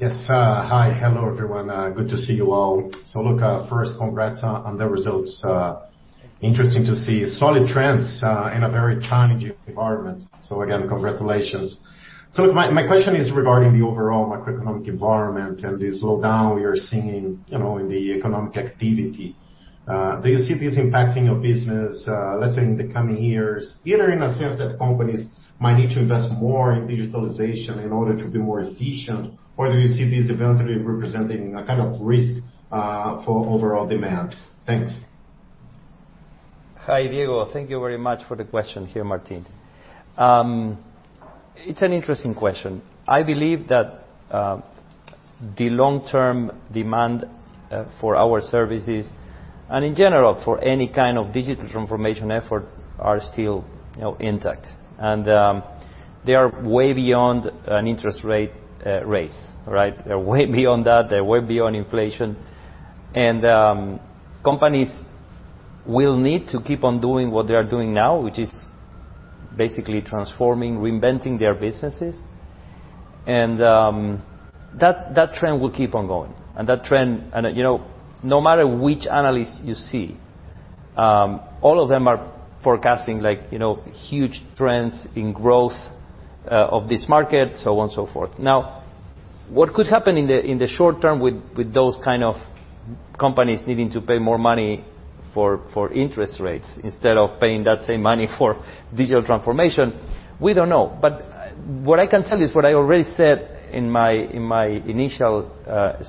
Yes. Hi. Hello, everyone. Good to see you all. Look, first congrats on the results. Interesting to see solid trends in a very challenging environment. Again, congratulations. My question is regarding the overall macroeconomic environment and the slowdown we are seeing, you know, in the economic activity. Do you see this impacting your business, let's say in the coming years? Either in a sense that companies might need to invest more in digitalization in order to be more efficient, or do you see this event representing a kind of risk for overall demand? Thanks.
Hi, Diego. Thank you very much for the question here, Martín. It's an interesting question. I believe that, the long-term demand, for our services, and in general, for any kind of digital transformation effort, are still, you know, intact. They are way beyond an interest rate, raise, right? They're way beyond that. They're way beyond inflation. Companies will need to keep on doing what they are doing now, which is basically transforming, reinventing their businesses. That trend will keep on going. That trend, you know, no matter which analyst you see, all of them are forecasting, like, you know, huge trends in growth, of this market, so on and so forth. Now, what could happen in the short term with those kind of companies needing to pay more money for interest rates instead of paying that same money for digital transformation, we don't know. What I can tell you is what I already said in my initial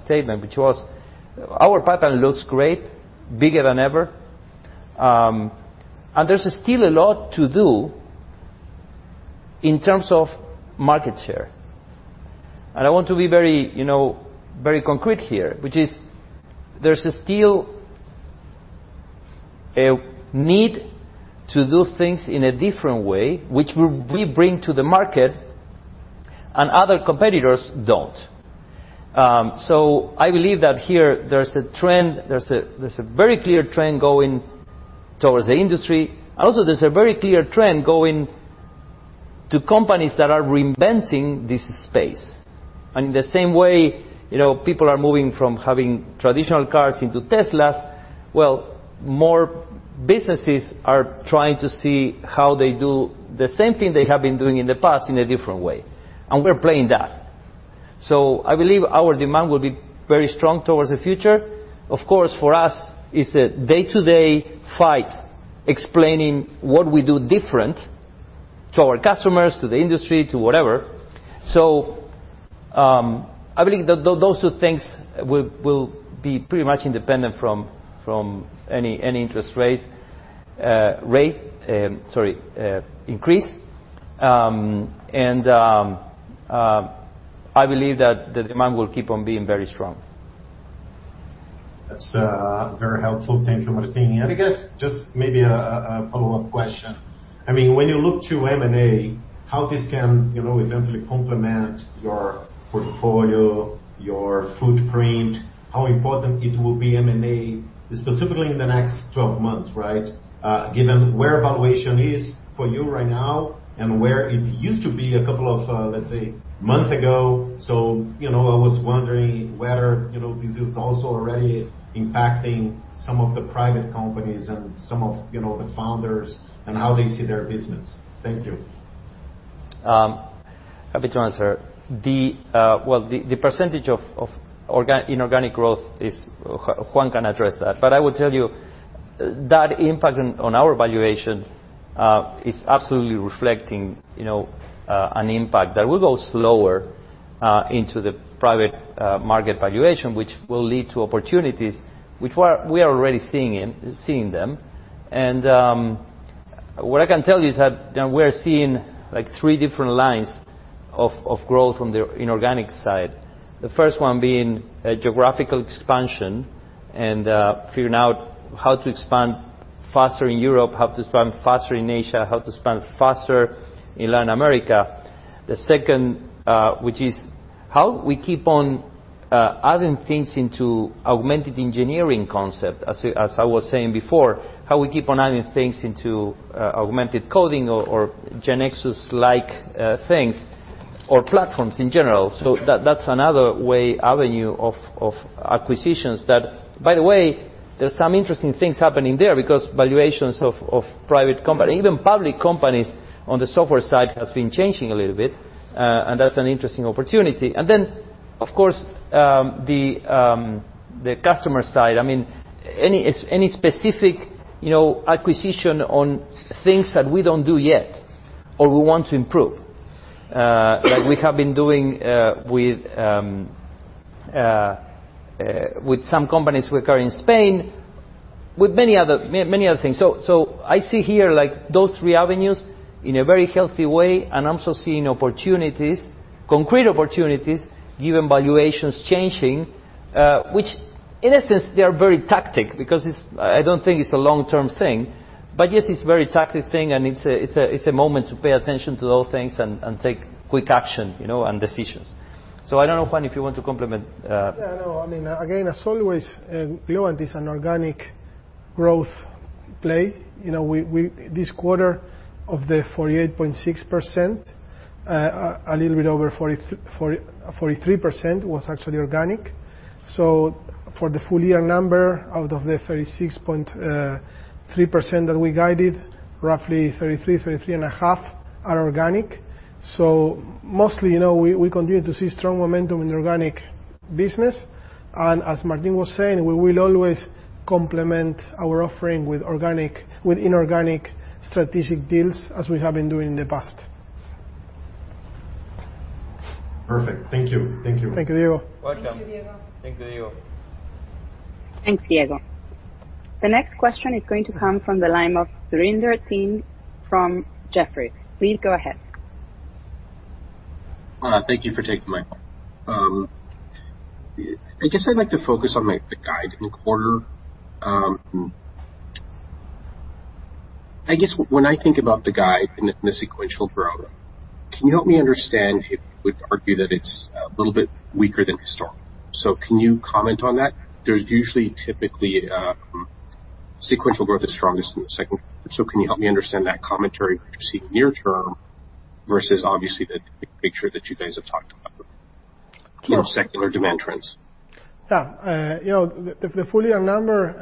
statement, which was our pipeline looks great, bigger than ever. There's still a lot to do in terms of market share. I want to be very, you know, very concrete here, which is there's still a need to do things in a different way, which we bring to the market and other competitors don't. I believe that here there's a very clear trend going towards the industry. Also, there's a very clear trend going to companies that are reinventing this space. In the same way, you know, people are moving from having traditional cars into Teslas, well, more businesses are trying to see how they do the same thing they have been doing in the past in a different way, and we're playing that. I believe our demand will be very strong towards the future. Of course, for us, it's a day-to-day fight explaining what we do different to our customers, to the industry, to whatever. I believe those two things will be pretty much independent from any interest rate increase. I believe that the demand will keep on being very strong.
That's very helpful. Thank you, Martín. I guess just maybe a follow-up question. I mean, when you look to M&A, how this can, you know, eventually complement your portfolio, your footprint, how important it will be M&A, specifically in the next 12 months, right? Given where valuation is for you right now and where it used to be a couple of, let's say, months ago. You know, I was wondering whether, you know, this is also already impacting some of the private companies and some of, you know, the founders and how they see their business. Thank you.
Happy to answer. The percentage of inorganic growth is. Juan can address that. I will tell you that impact on our valuation is absolutely reflecting, you know, an impact that will go slower into the private market valuation, which will lead to opportunities which we are already seeing. What I can tell you is that we're seeing like three different lines of growth on the inorganic side. The first one being a geographical expansion and figuring out how to expand faster in Europe, how to expand faster in Asia, how to expand faster in Latin America. The second, which is how we keep on adding things into augmented engineering concept. As I was saying before, how we keep on adding things into Augmented Coding or GeneXus, like things or platforms in general. That's another way, avenue of acquisitions. By the way, there's some interesting things happening there because valuations of private company, even public companies on the software side has been changing a little bit, and that's an interesting opportunity. Then, of course, the customer side. I mean, any specific, you know, acquisition on things that we don't do yet or we want to improve, like we have been doing with some companies we acquired in Spain, with many other things. I see here like those three avenues in a very healthy way, and I'm also seeing opportunities, concrete opportunities, given valuations changing, which, in a sense, they are very tactical because I don't think it's a long-term thing. But yes, it's a very tactical thing and it's a moment to pay attention to those things and take quick action, you know, and decisions. I don't know, Juan, if you want to comment.
Yeah, no. I mean, again, as always, beyond this inorganic growth play, you know, we this quarter of the 48.6%, a little bit over 43% was actually organic. For the full year number, out of the 36.3% that we guided, roughly 33%-33.5% are organic. So mostly, you know, we continue to see strong momentum in the organic business. As Martín was saying, we will always complement our offering with inorganic strategic deals as we have been doing in the past.
Perfect. Thank you. Thank you.
Thank you, Diego.
Welcome.
Thank you, Diego.
Thank you, Diego.
Thanks, Diego. The next question is going to come from the line of Surinder Thind from Jefferies. Please go ahead.
Thank you for taking my call. I guess I'd like to focus on, like, the guidance in quarter. I guess when I think about the guidance and the sequential growth, can you help me understand if you would argue that it's a little bit weaker than historical? Can you comment on that? There's usually typically sequential growth is strongest in the second quarter. Can you help me understand that commentary which you see near term versus obviously the big picture that you guys have talked about in secular demand trends?
Yeah. You know, the full year number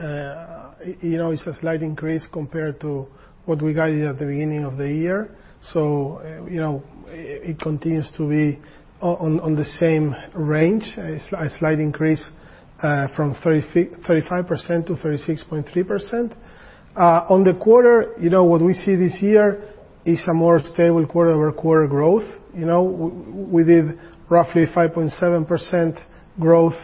is a slight increase compared to what we guided at the beginning of the year. You know, it continues to be on the same range. A slight increase from 35%-36.3%. You know, on the quarter, what we see this year is a more stable quarter-over-quarter growth. You know, we did roughly 5.7% growth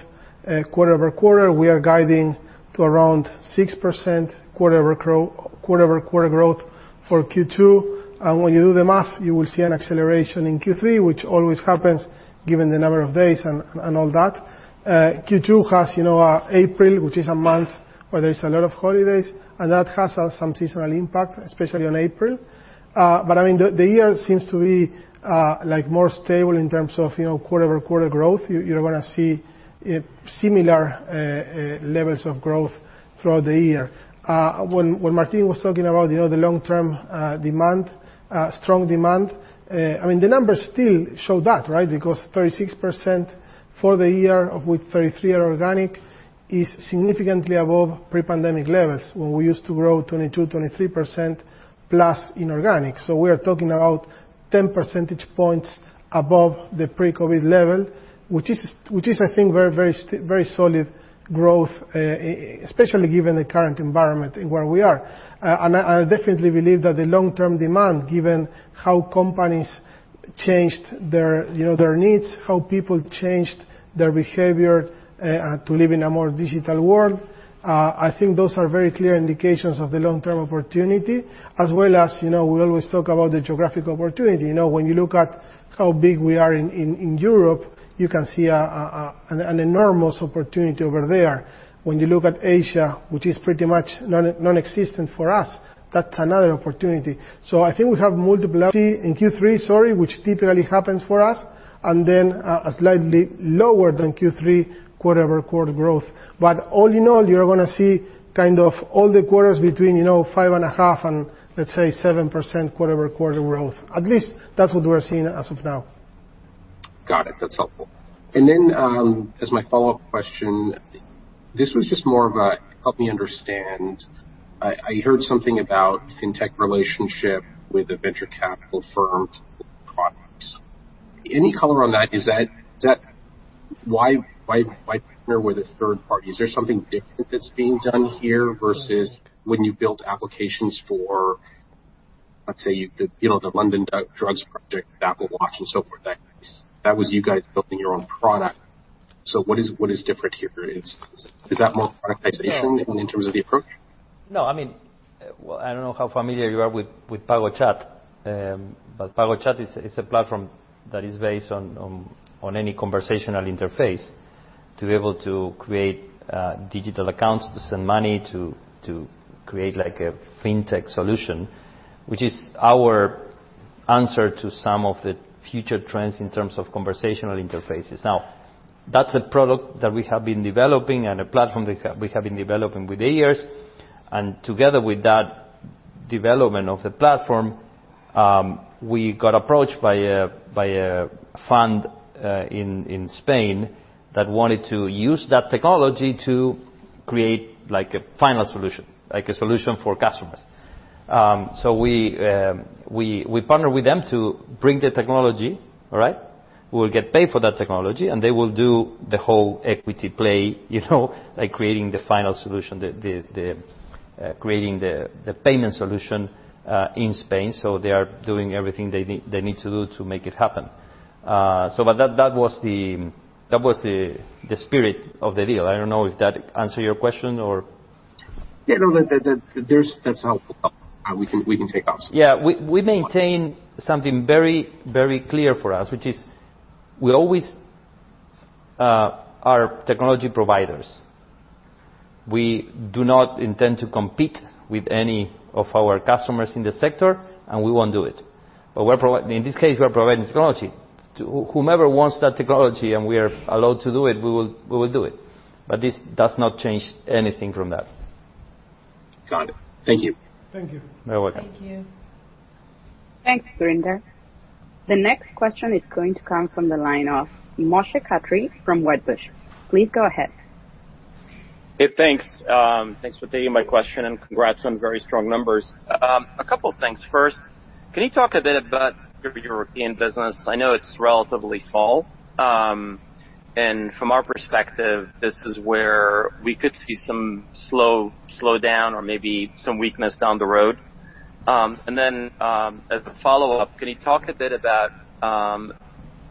quarter-over-quarter. We are guiding to around 6% quarter-over-quarter growth for Q2. When you do the math, you will see an acceleration in Q3, which always happens given the number of days and all that. Q2 has, you know, April, which is a month where there is a lot of holidays, and that has some seasonal impact, especially on April. I mean, the year seems to be like more stable in terms of, you know, quarter-over-quarter growth. You're gonna see similar levels of growth throughout the year. When Martín was talking about, you know, the long-term demand, strong demand, I mean, the numbers still show that, right? Because 36% for the year with 33% organic is significantly above pre-pandemic levels when we used to grow 22%-23% plus inorganic. We are talking about 10 percentage points above the pre-COVID level, which is, I think, very solid growth, especially given the current environment and where we are. I definitely believe that the long-term demand, given how companies changed their, you know, their needs, how people changed their behavior, to live in a more digital world, I think those are very clear indications of the long-term opportunity. As well as, you know, we always talk about the geographic opportunity. You know, when you look at how big we are in Europe, you can see an enormous opportunity over there. When you look at Asia, which is pretty much nonexistent for us, that's another opportunity. I think we have multiple. In Q3, sorry, which typically happens for us, and then a slightly lower than Q3 quarter-over-quarter growth. All in all, you're gonna see kind of all the quarters between, you know, 5.5% and let's say 7% quarter-over-quarter growth. At least that's what we're seeing as of now.
Got it. That's helpful. As my follow-up question, this was just more of a help me understand. I heard something about fintech relationship with a venture capital firm products. Any color on that? Is that. Why partner with a third party? Is there something different that's being done here versus when you built applications for, let's say, you know, the London Drugs Project, Apple Watch, and so forth, that was you guys building your own product. What is different here? Is that more productization in terms of the approach?
No, I mean, well, I don't know how familiar you are with PagoChat. But PagoChat is a platform that is based on any conversational interface to be able to create digital accounts to send money, to create like a fintech solution, which is our answer to some of the future trends in terms of conversational interfaces. Now, that's a product that we have been developing and a platform that we have been developing with Aires. Together with that development of the platform, we got approached by a fund in Spain that wanted to use that technology to create like a final solution, like a solution for customers. So we partner with them to bring the technology, all right? We'll get paid for that technology, and they will do the whole equity play, you know, by creating the final solution, the payment solution in Spain. They are doing everything they need to do to make it happen. That was the spirit of the deal. I don't know if that answer your question or-
Yeah. No. That's helpful. We can take off.
Yeah. We maintain something very, very clear for us, which is we always are technology providers. We do not intend to compete with any of our customers in the sector, and we won't do it. But in this case, we are providing technology to whomever wants that technology and we are allowed to do it, we will do it. But this does not change anything from that.
Got it. Thank you.
Thank you.
You're welcome.
Thank you. Thanks, Surinder. The next question is going to come from the line of Moshe Katri from Wedbush. Please go ahead.
Hey, thanks. Thanks for taking my question, and congrats on very strong numbers. A couple things. First, can you talk a bit about your European business? I know it's relatively small. From our perspective, this is where we could see some slow down or maybe some weakness down the road. As a follow-up, can you talk a bit about,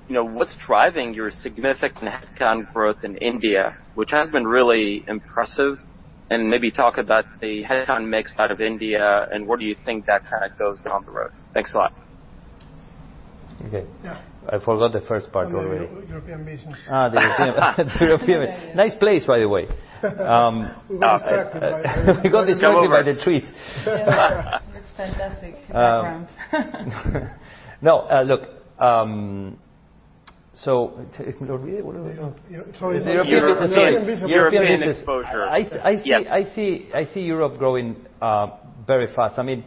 you know, what's driving your significant headcount growth in India, which has been really impressive, and maybe talk about the headcount mix out of India, and where do you think that kinda goes down the road? Thanks a lot.
Okay.
Yeah.
I forgot the first part already.
On the European business.
The European. Nice place, by the way.
We got distracted by the-
We got distracted by the treat.
Yeah. It's fantastic in that front.
No. Look, read it. What do I do?
Sorry, the European business.
European exposure.
I see-
Yes.
I see Europe growing very fast. I mean,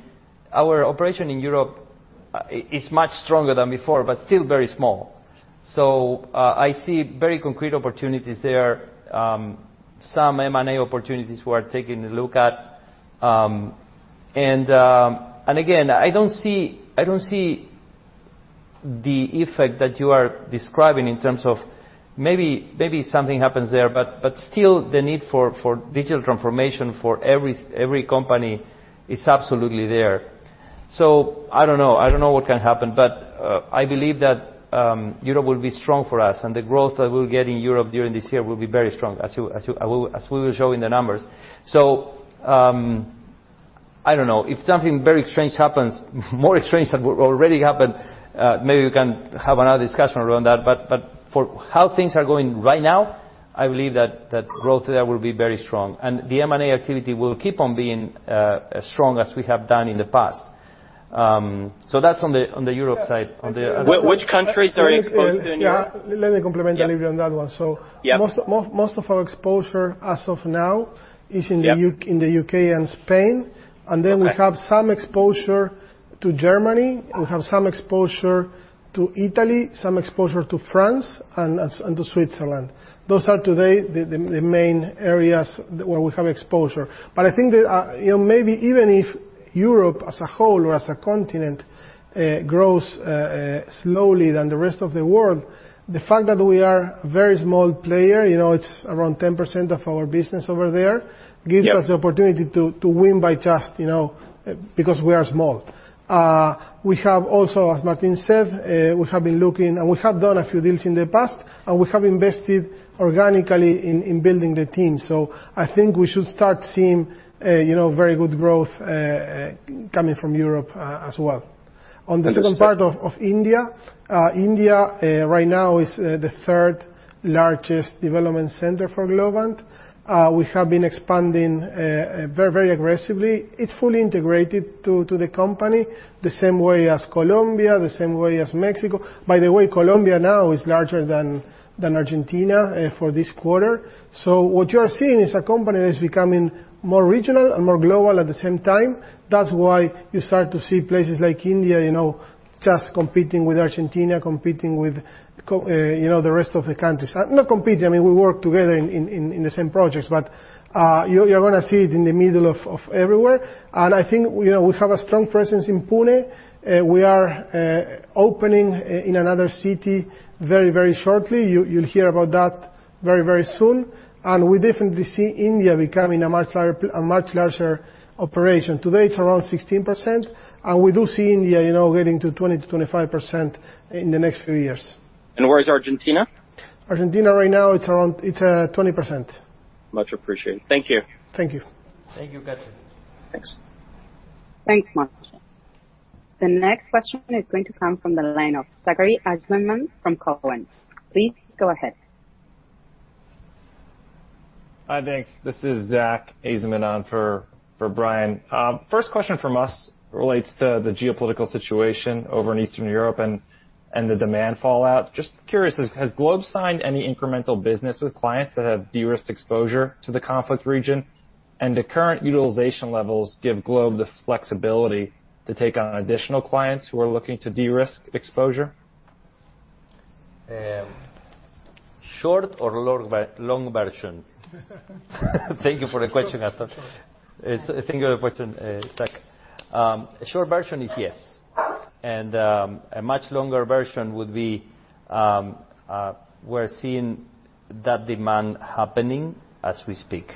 our operation in Europe is much stronger than before, but still very small. I see very concrete opportunities there. Some M&A opportunities we're taking a look at. Again, I don't see the effect that you are describing in terms of maybe something happens there, but still the need for digital transformation for every company is absolutely there. I don't know. I don't know what can happen, but I believe that Europe will be strong for us, and the growth that we'll get in Europe during this year will be very strong, as we will show in the numbers. I don't know. If something very strange happens, more strange than what already happened, maybe we can have another discussion around that. For how things are going right now, I believe that growth there will be very strong. The M&A activity will keep on being as strong as we have done in the past. That's on the Europe side. On the-
Which countries are you exposed to in Europe?
Yeah. Let me comment a little bit on that one.
Yeah.
So-
Yeah.
Most of our exposure as of now is in the U-
Yeah.
In the U.K. and Spain.
Okay.
We have some exposure to Germany.
Yeah.
We have some exposure to Italy, some exposure to France and to Switzerland. Those are today the main areas where we have exposure. I think that, you know, maybe even if Europe as a whole or as a continent grows slowly than the rest of the world, the fact that we are a very small player, you know, it's around 10% of our business over there.
Yeah.
Gives us the opportunity to win by just, you know, because we are small. We have also, as Martín said, we have been looking and we have done a few deals in the past, and we have invested organically in building the team. I think we should start seeing, you know, very good growth coming from Europe as well.
Understood.
India right now is the third largest development center for Globant. We have been expanding very aggressively. It's fully integrated to the company, the same way as Colombia, the same way as Mexico. By the way, Colombia now is larger than Argentina for this quarter. What you're seeing is a company that's becoming more regional and more global at the same time. That's why you start to see places like India, you know, just competing with Argentina, competing with the rest of the countries. Not competing, I mean, we work together in the same projects. You're gonna see it in the middle of everywhere. I think, you know, we have a strong presence in Pune. We are opening in another city very, very shortly. You'll hear about that very, very soon. We definitely see India becoming a much larger operation. Today, it's around 16%, and we do see India, you know, getting to 20%-25% in the next few years.
Where is Argentina?
Argentina right now it's around 20%.
Much appreciated. Thank you.
Thank you.
Thank you, Moshe.
Thanks.
Thanks, Moshe. The next question is going to come from the line of Zachary Ajzenman from Cowen. Please go ahead.
Hi. Thanks. This is Zach Ajzenman on for Brian. First question from us relates to the geopolitical situation over in Eastern Europe and the demand fallout. Just curious, has Globant signed any incremental business with clients that have de-risked exposure to the conflict region? And do current utilization levels give Globant the flexibility to take on additional clients who are looking to de-risk exposure?
Short or long version? Thank you for the question, Zach. Short version is yes. A much longer version would be, we're seeing that demand happening as we speak.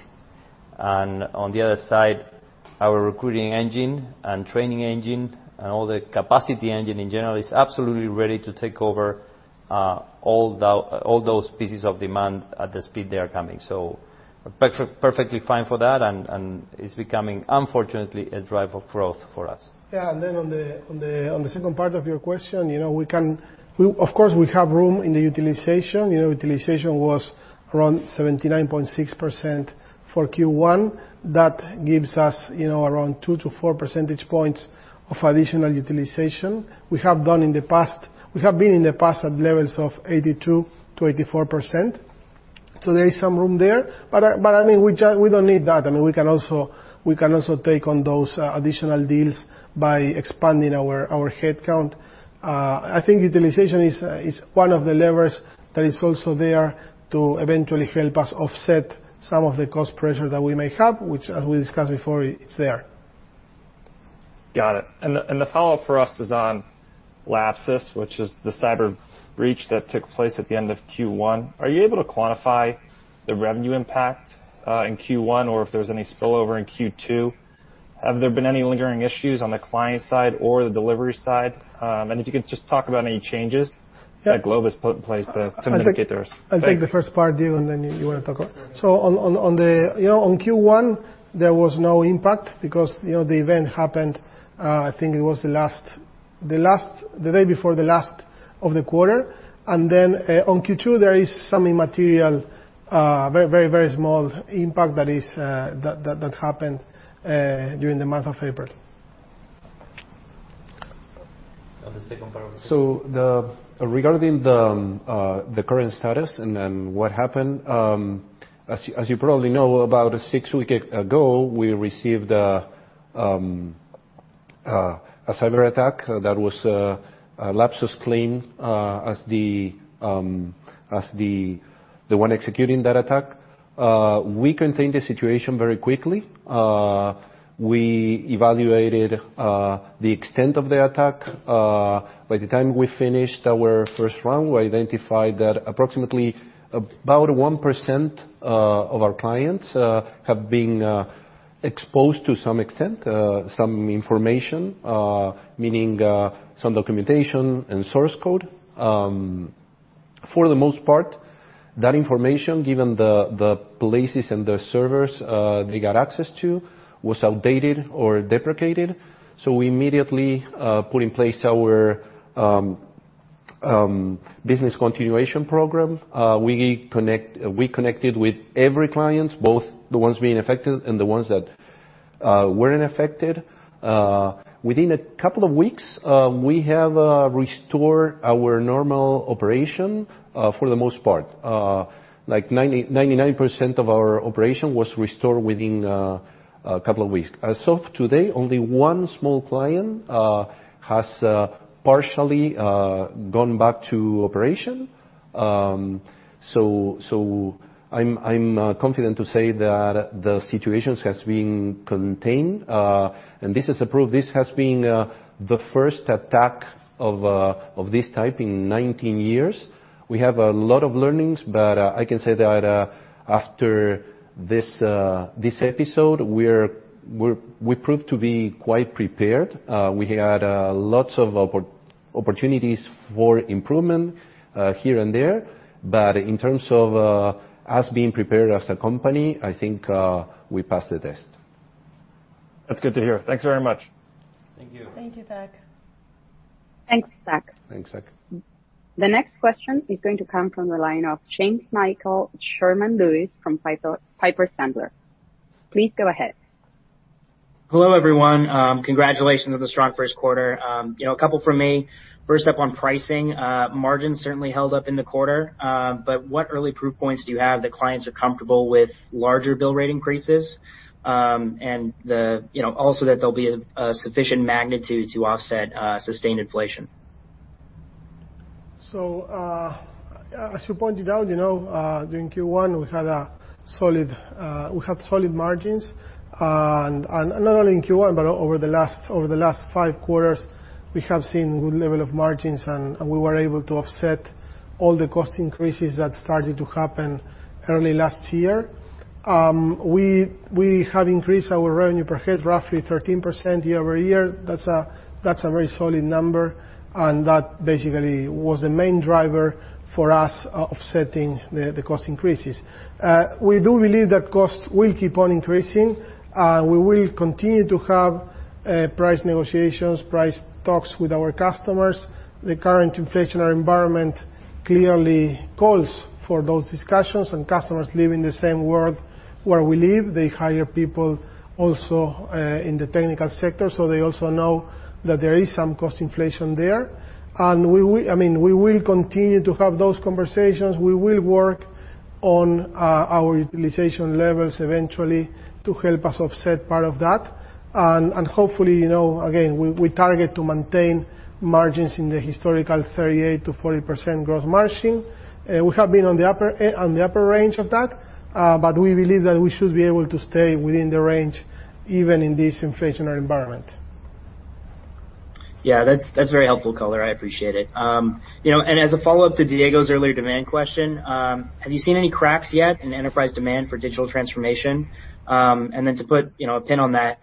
On the other side, our recruiting engine and training engine and all the capacity engine in general is absolutely ready to take over all those pieces of demand at the speed they are coming. Perfectly fine for that, and it's becoming, unfortunately, a driver of growth for us.
Yeah. Then on the second part of your question, you know, we can we, of course, have room in the utilization. You know, utilization was around 79.6% for Q1. That gives us, you know, around 2 percentage points-4 percentage points of additional utilization. We have done in the past. We have been in the past at levels of 82%-84%. So there is some room there. But I mean, we don't need that. I mean, we can also take on those additional deals by expanding our headcount. I think utilization is one of the levers that is also there to eventually help us offset some of the cost pressure that we may have, which as we discussed before, is there.
Got it. The follow-up for us is on Lapsus$, which is the cyber breach that took place at the end of Q1. Are you able to quantify the revenue impact in Q1 or if there was any spillover in Q2? Have there been any lingering issues on the client side or the delivery side? If you could just talk about any changes-
Yeah.
That Globant put in place to mitigate those. Thanks.
I'll take the first part, Diego, and then you wanna talk. You know, on Q1, there was no impact because, you know, the event happened. I think it was the day before the last of the quarter. On Q2, there is some immaterial, very, very small impact that happened during the month of April.
The second part.
Regarding the current status and then what happened, as you probably know, about six weeks ago, we received a cyber attack that Lapsus$ claimed as the one executing that attack. We contained the situation very quickly. We evaluated the extent of the attack. By the time we finished our first round, we identified that approximately one percent of our clients have been exposed to some extent, some information, meaning some documentation and source code. For the most part, that information, given the places and the servers they got access to, was outdated or deprecated. We immediately put in place our business continuation program. We connected with every client, both the ones being affected and the ones that weren't affected. Within a couple of weeks, we have restored our normal operation, for the most part. Like 99% of our operation was restored within a couple of weeks. As of today, only one small client has partially gone back to operation. I'm confident to say that the situation has been contained. This is a proof. This has been the first attack of this type in 19 years. We have a lot of learnings, but I can say that after this episode, we proved to be quite prepared. We had lots of opportunities for improvement, here and there. In terms of us being prepared as a company, I think we passed the test.
That's good to hear. Thanks very much.
Thank you.
Thank you, Zach.
Thanks, Zach.
Thanks, Zach.
The next question is going to come from the line of Jamesmichael Sherman-Lewis from Piper Sandler. Please go ahead.
Hello, everyone. Congratulations on the strong first quarter. You know, a couple from me. First up on pricing, margins certainly held up in the quarter, but what early proof points do you have that clients are comfortable with larger bill rate increases? You know, also that there'll be a sufficient magnitude to offset sustained inflation.
As you pointed out, you know, during Q1, we had solid margins. Not only in Q1, but over the last five quarters, we have seen good level of margins, and we were able to offset all the cost increases that started to happen early last year. We have increased our revenue per head roughly 13% year-over-year. That's a very solid number, and that basically was the main driver for us offsetting the cost increases. We do believe that costs will keep on increasing. We will continue to have price negotiations, price talks with our customers. The current inflationary environment clearly calls for those discussions and customers live in the same world where we live. They hire people also in the technical sector, so they also know that there is some cost inflation there. I mean, we will continue to have those conversations. We will work on our utilization levels eventually to help us offset part of that. Hopefully, you know, again, we target to maintain margins in the historical 38%-40% gross margin. We have been on the upper range of that, but we believe that we should be able to stay within the range even in this inflationary environment.
Yeah. That's very helpful color. I appreciate it. You know, as a follow-up to Diego's earlier demand question, have you seen any cracks yet in enterprise demand for digital transformation? To put you know a pin on that,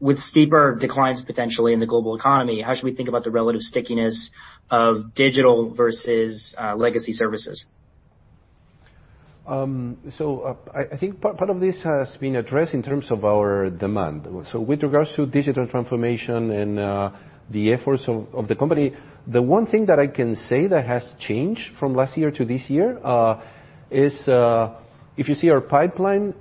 with steeper declines potentially in the global economy, how should we think about the relative stickiness of digital versus legacy services?
I think part of this has been addressed in terms of our demand. With regard to digital transformation and the efforts of the company, the one thing that I can say that has changed from last year to this year is if you see our pipeline,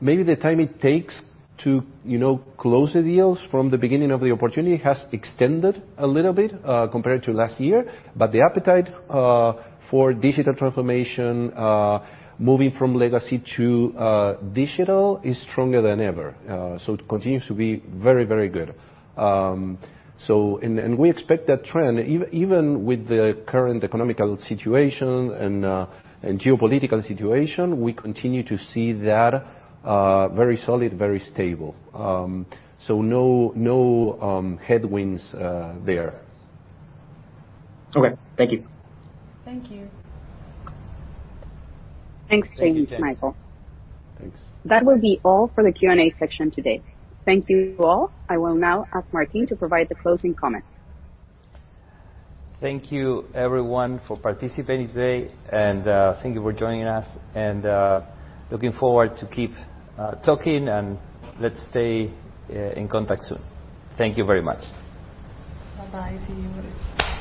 maybe the time it takes to, you know, close the deals from the beginning of the opportunity has extended a little bit compared to last year. The appetite for digital transformation moving from legacy to digital is stronger than ever. It continues to be very good. We expect that trend. Even with the current economic situation and geopolitical situation, we continue to see that very solid, very stable. No headwinds there.
Okay, thank you.
Thank you.
Thanks, Jamesmichael.
Thanks.
That would be all for the Q&A section today. Thank you all. I will now ask Martín to provide the closing comments.
Thank you everyone for participating today, and, thank you for joining us. Looking forward to keep, talking, and let's stay, in contact soon. Thank you very much.
Bye-bye to you all.